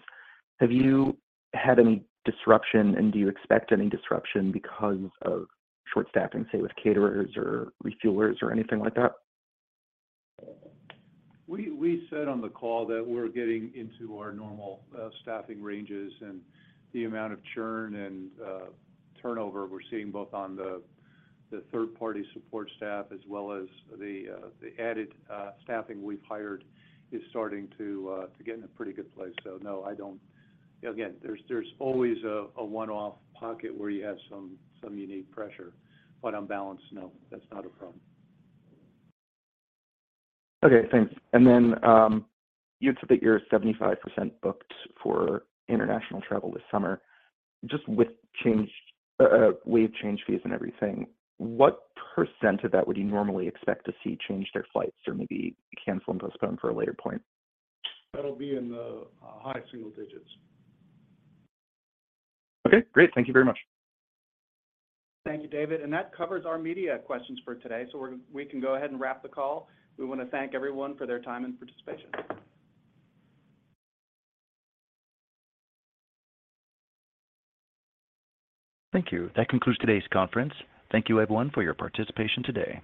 Have you had any disruption, and do you expect any disruption because of short staffing, say, with caterers or refuelers or anything like that? We said on the call that we're getting into our normal staffing ranges and the amount of churn and turnover we're seeing both on the third-party support staff as well as the added staffing we've hired is starting to get in a pretty good place. No, I don't. Again, there's always a one-off pocket where you have some unique pressure. On balance, no, that's not a problem. Okay, thanks. Then, you had said that you're 75% booked for international travel this summer. Just with waived change fees and everything, what % of that would you normally expect to see change their flights or maybe cancel and postpone for a later point? That'll be in the high single digits. Okay, great. Thank you very much. Thank you, David. That covers our media questions for today. We can go ahead and wrap the call. We want to thank everyone for their time and participation. Thank you. That concludes today's conference. Thank you, everyone, for your participation today.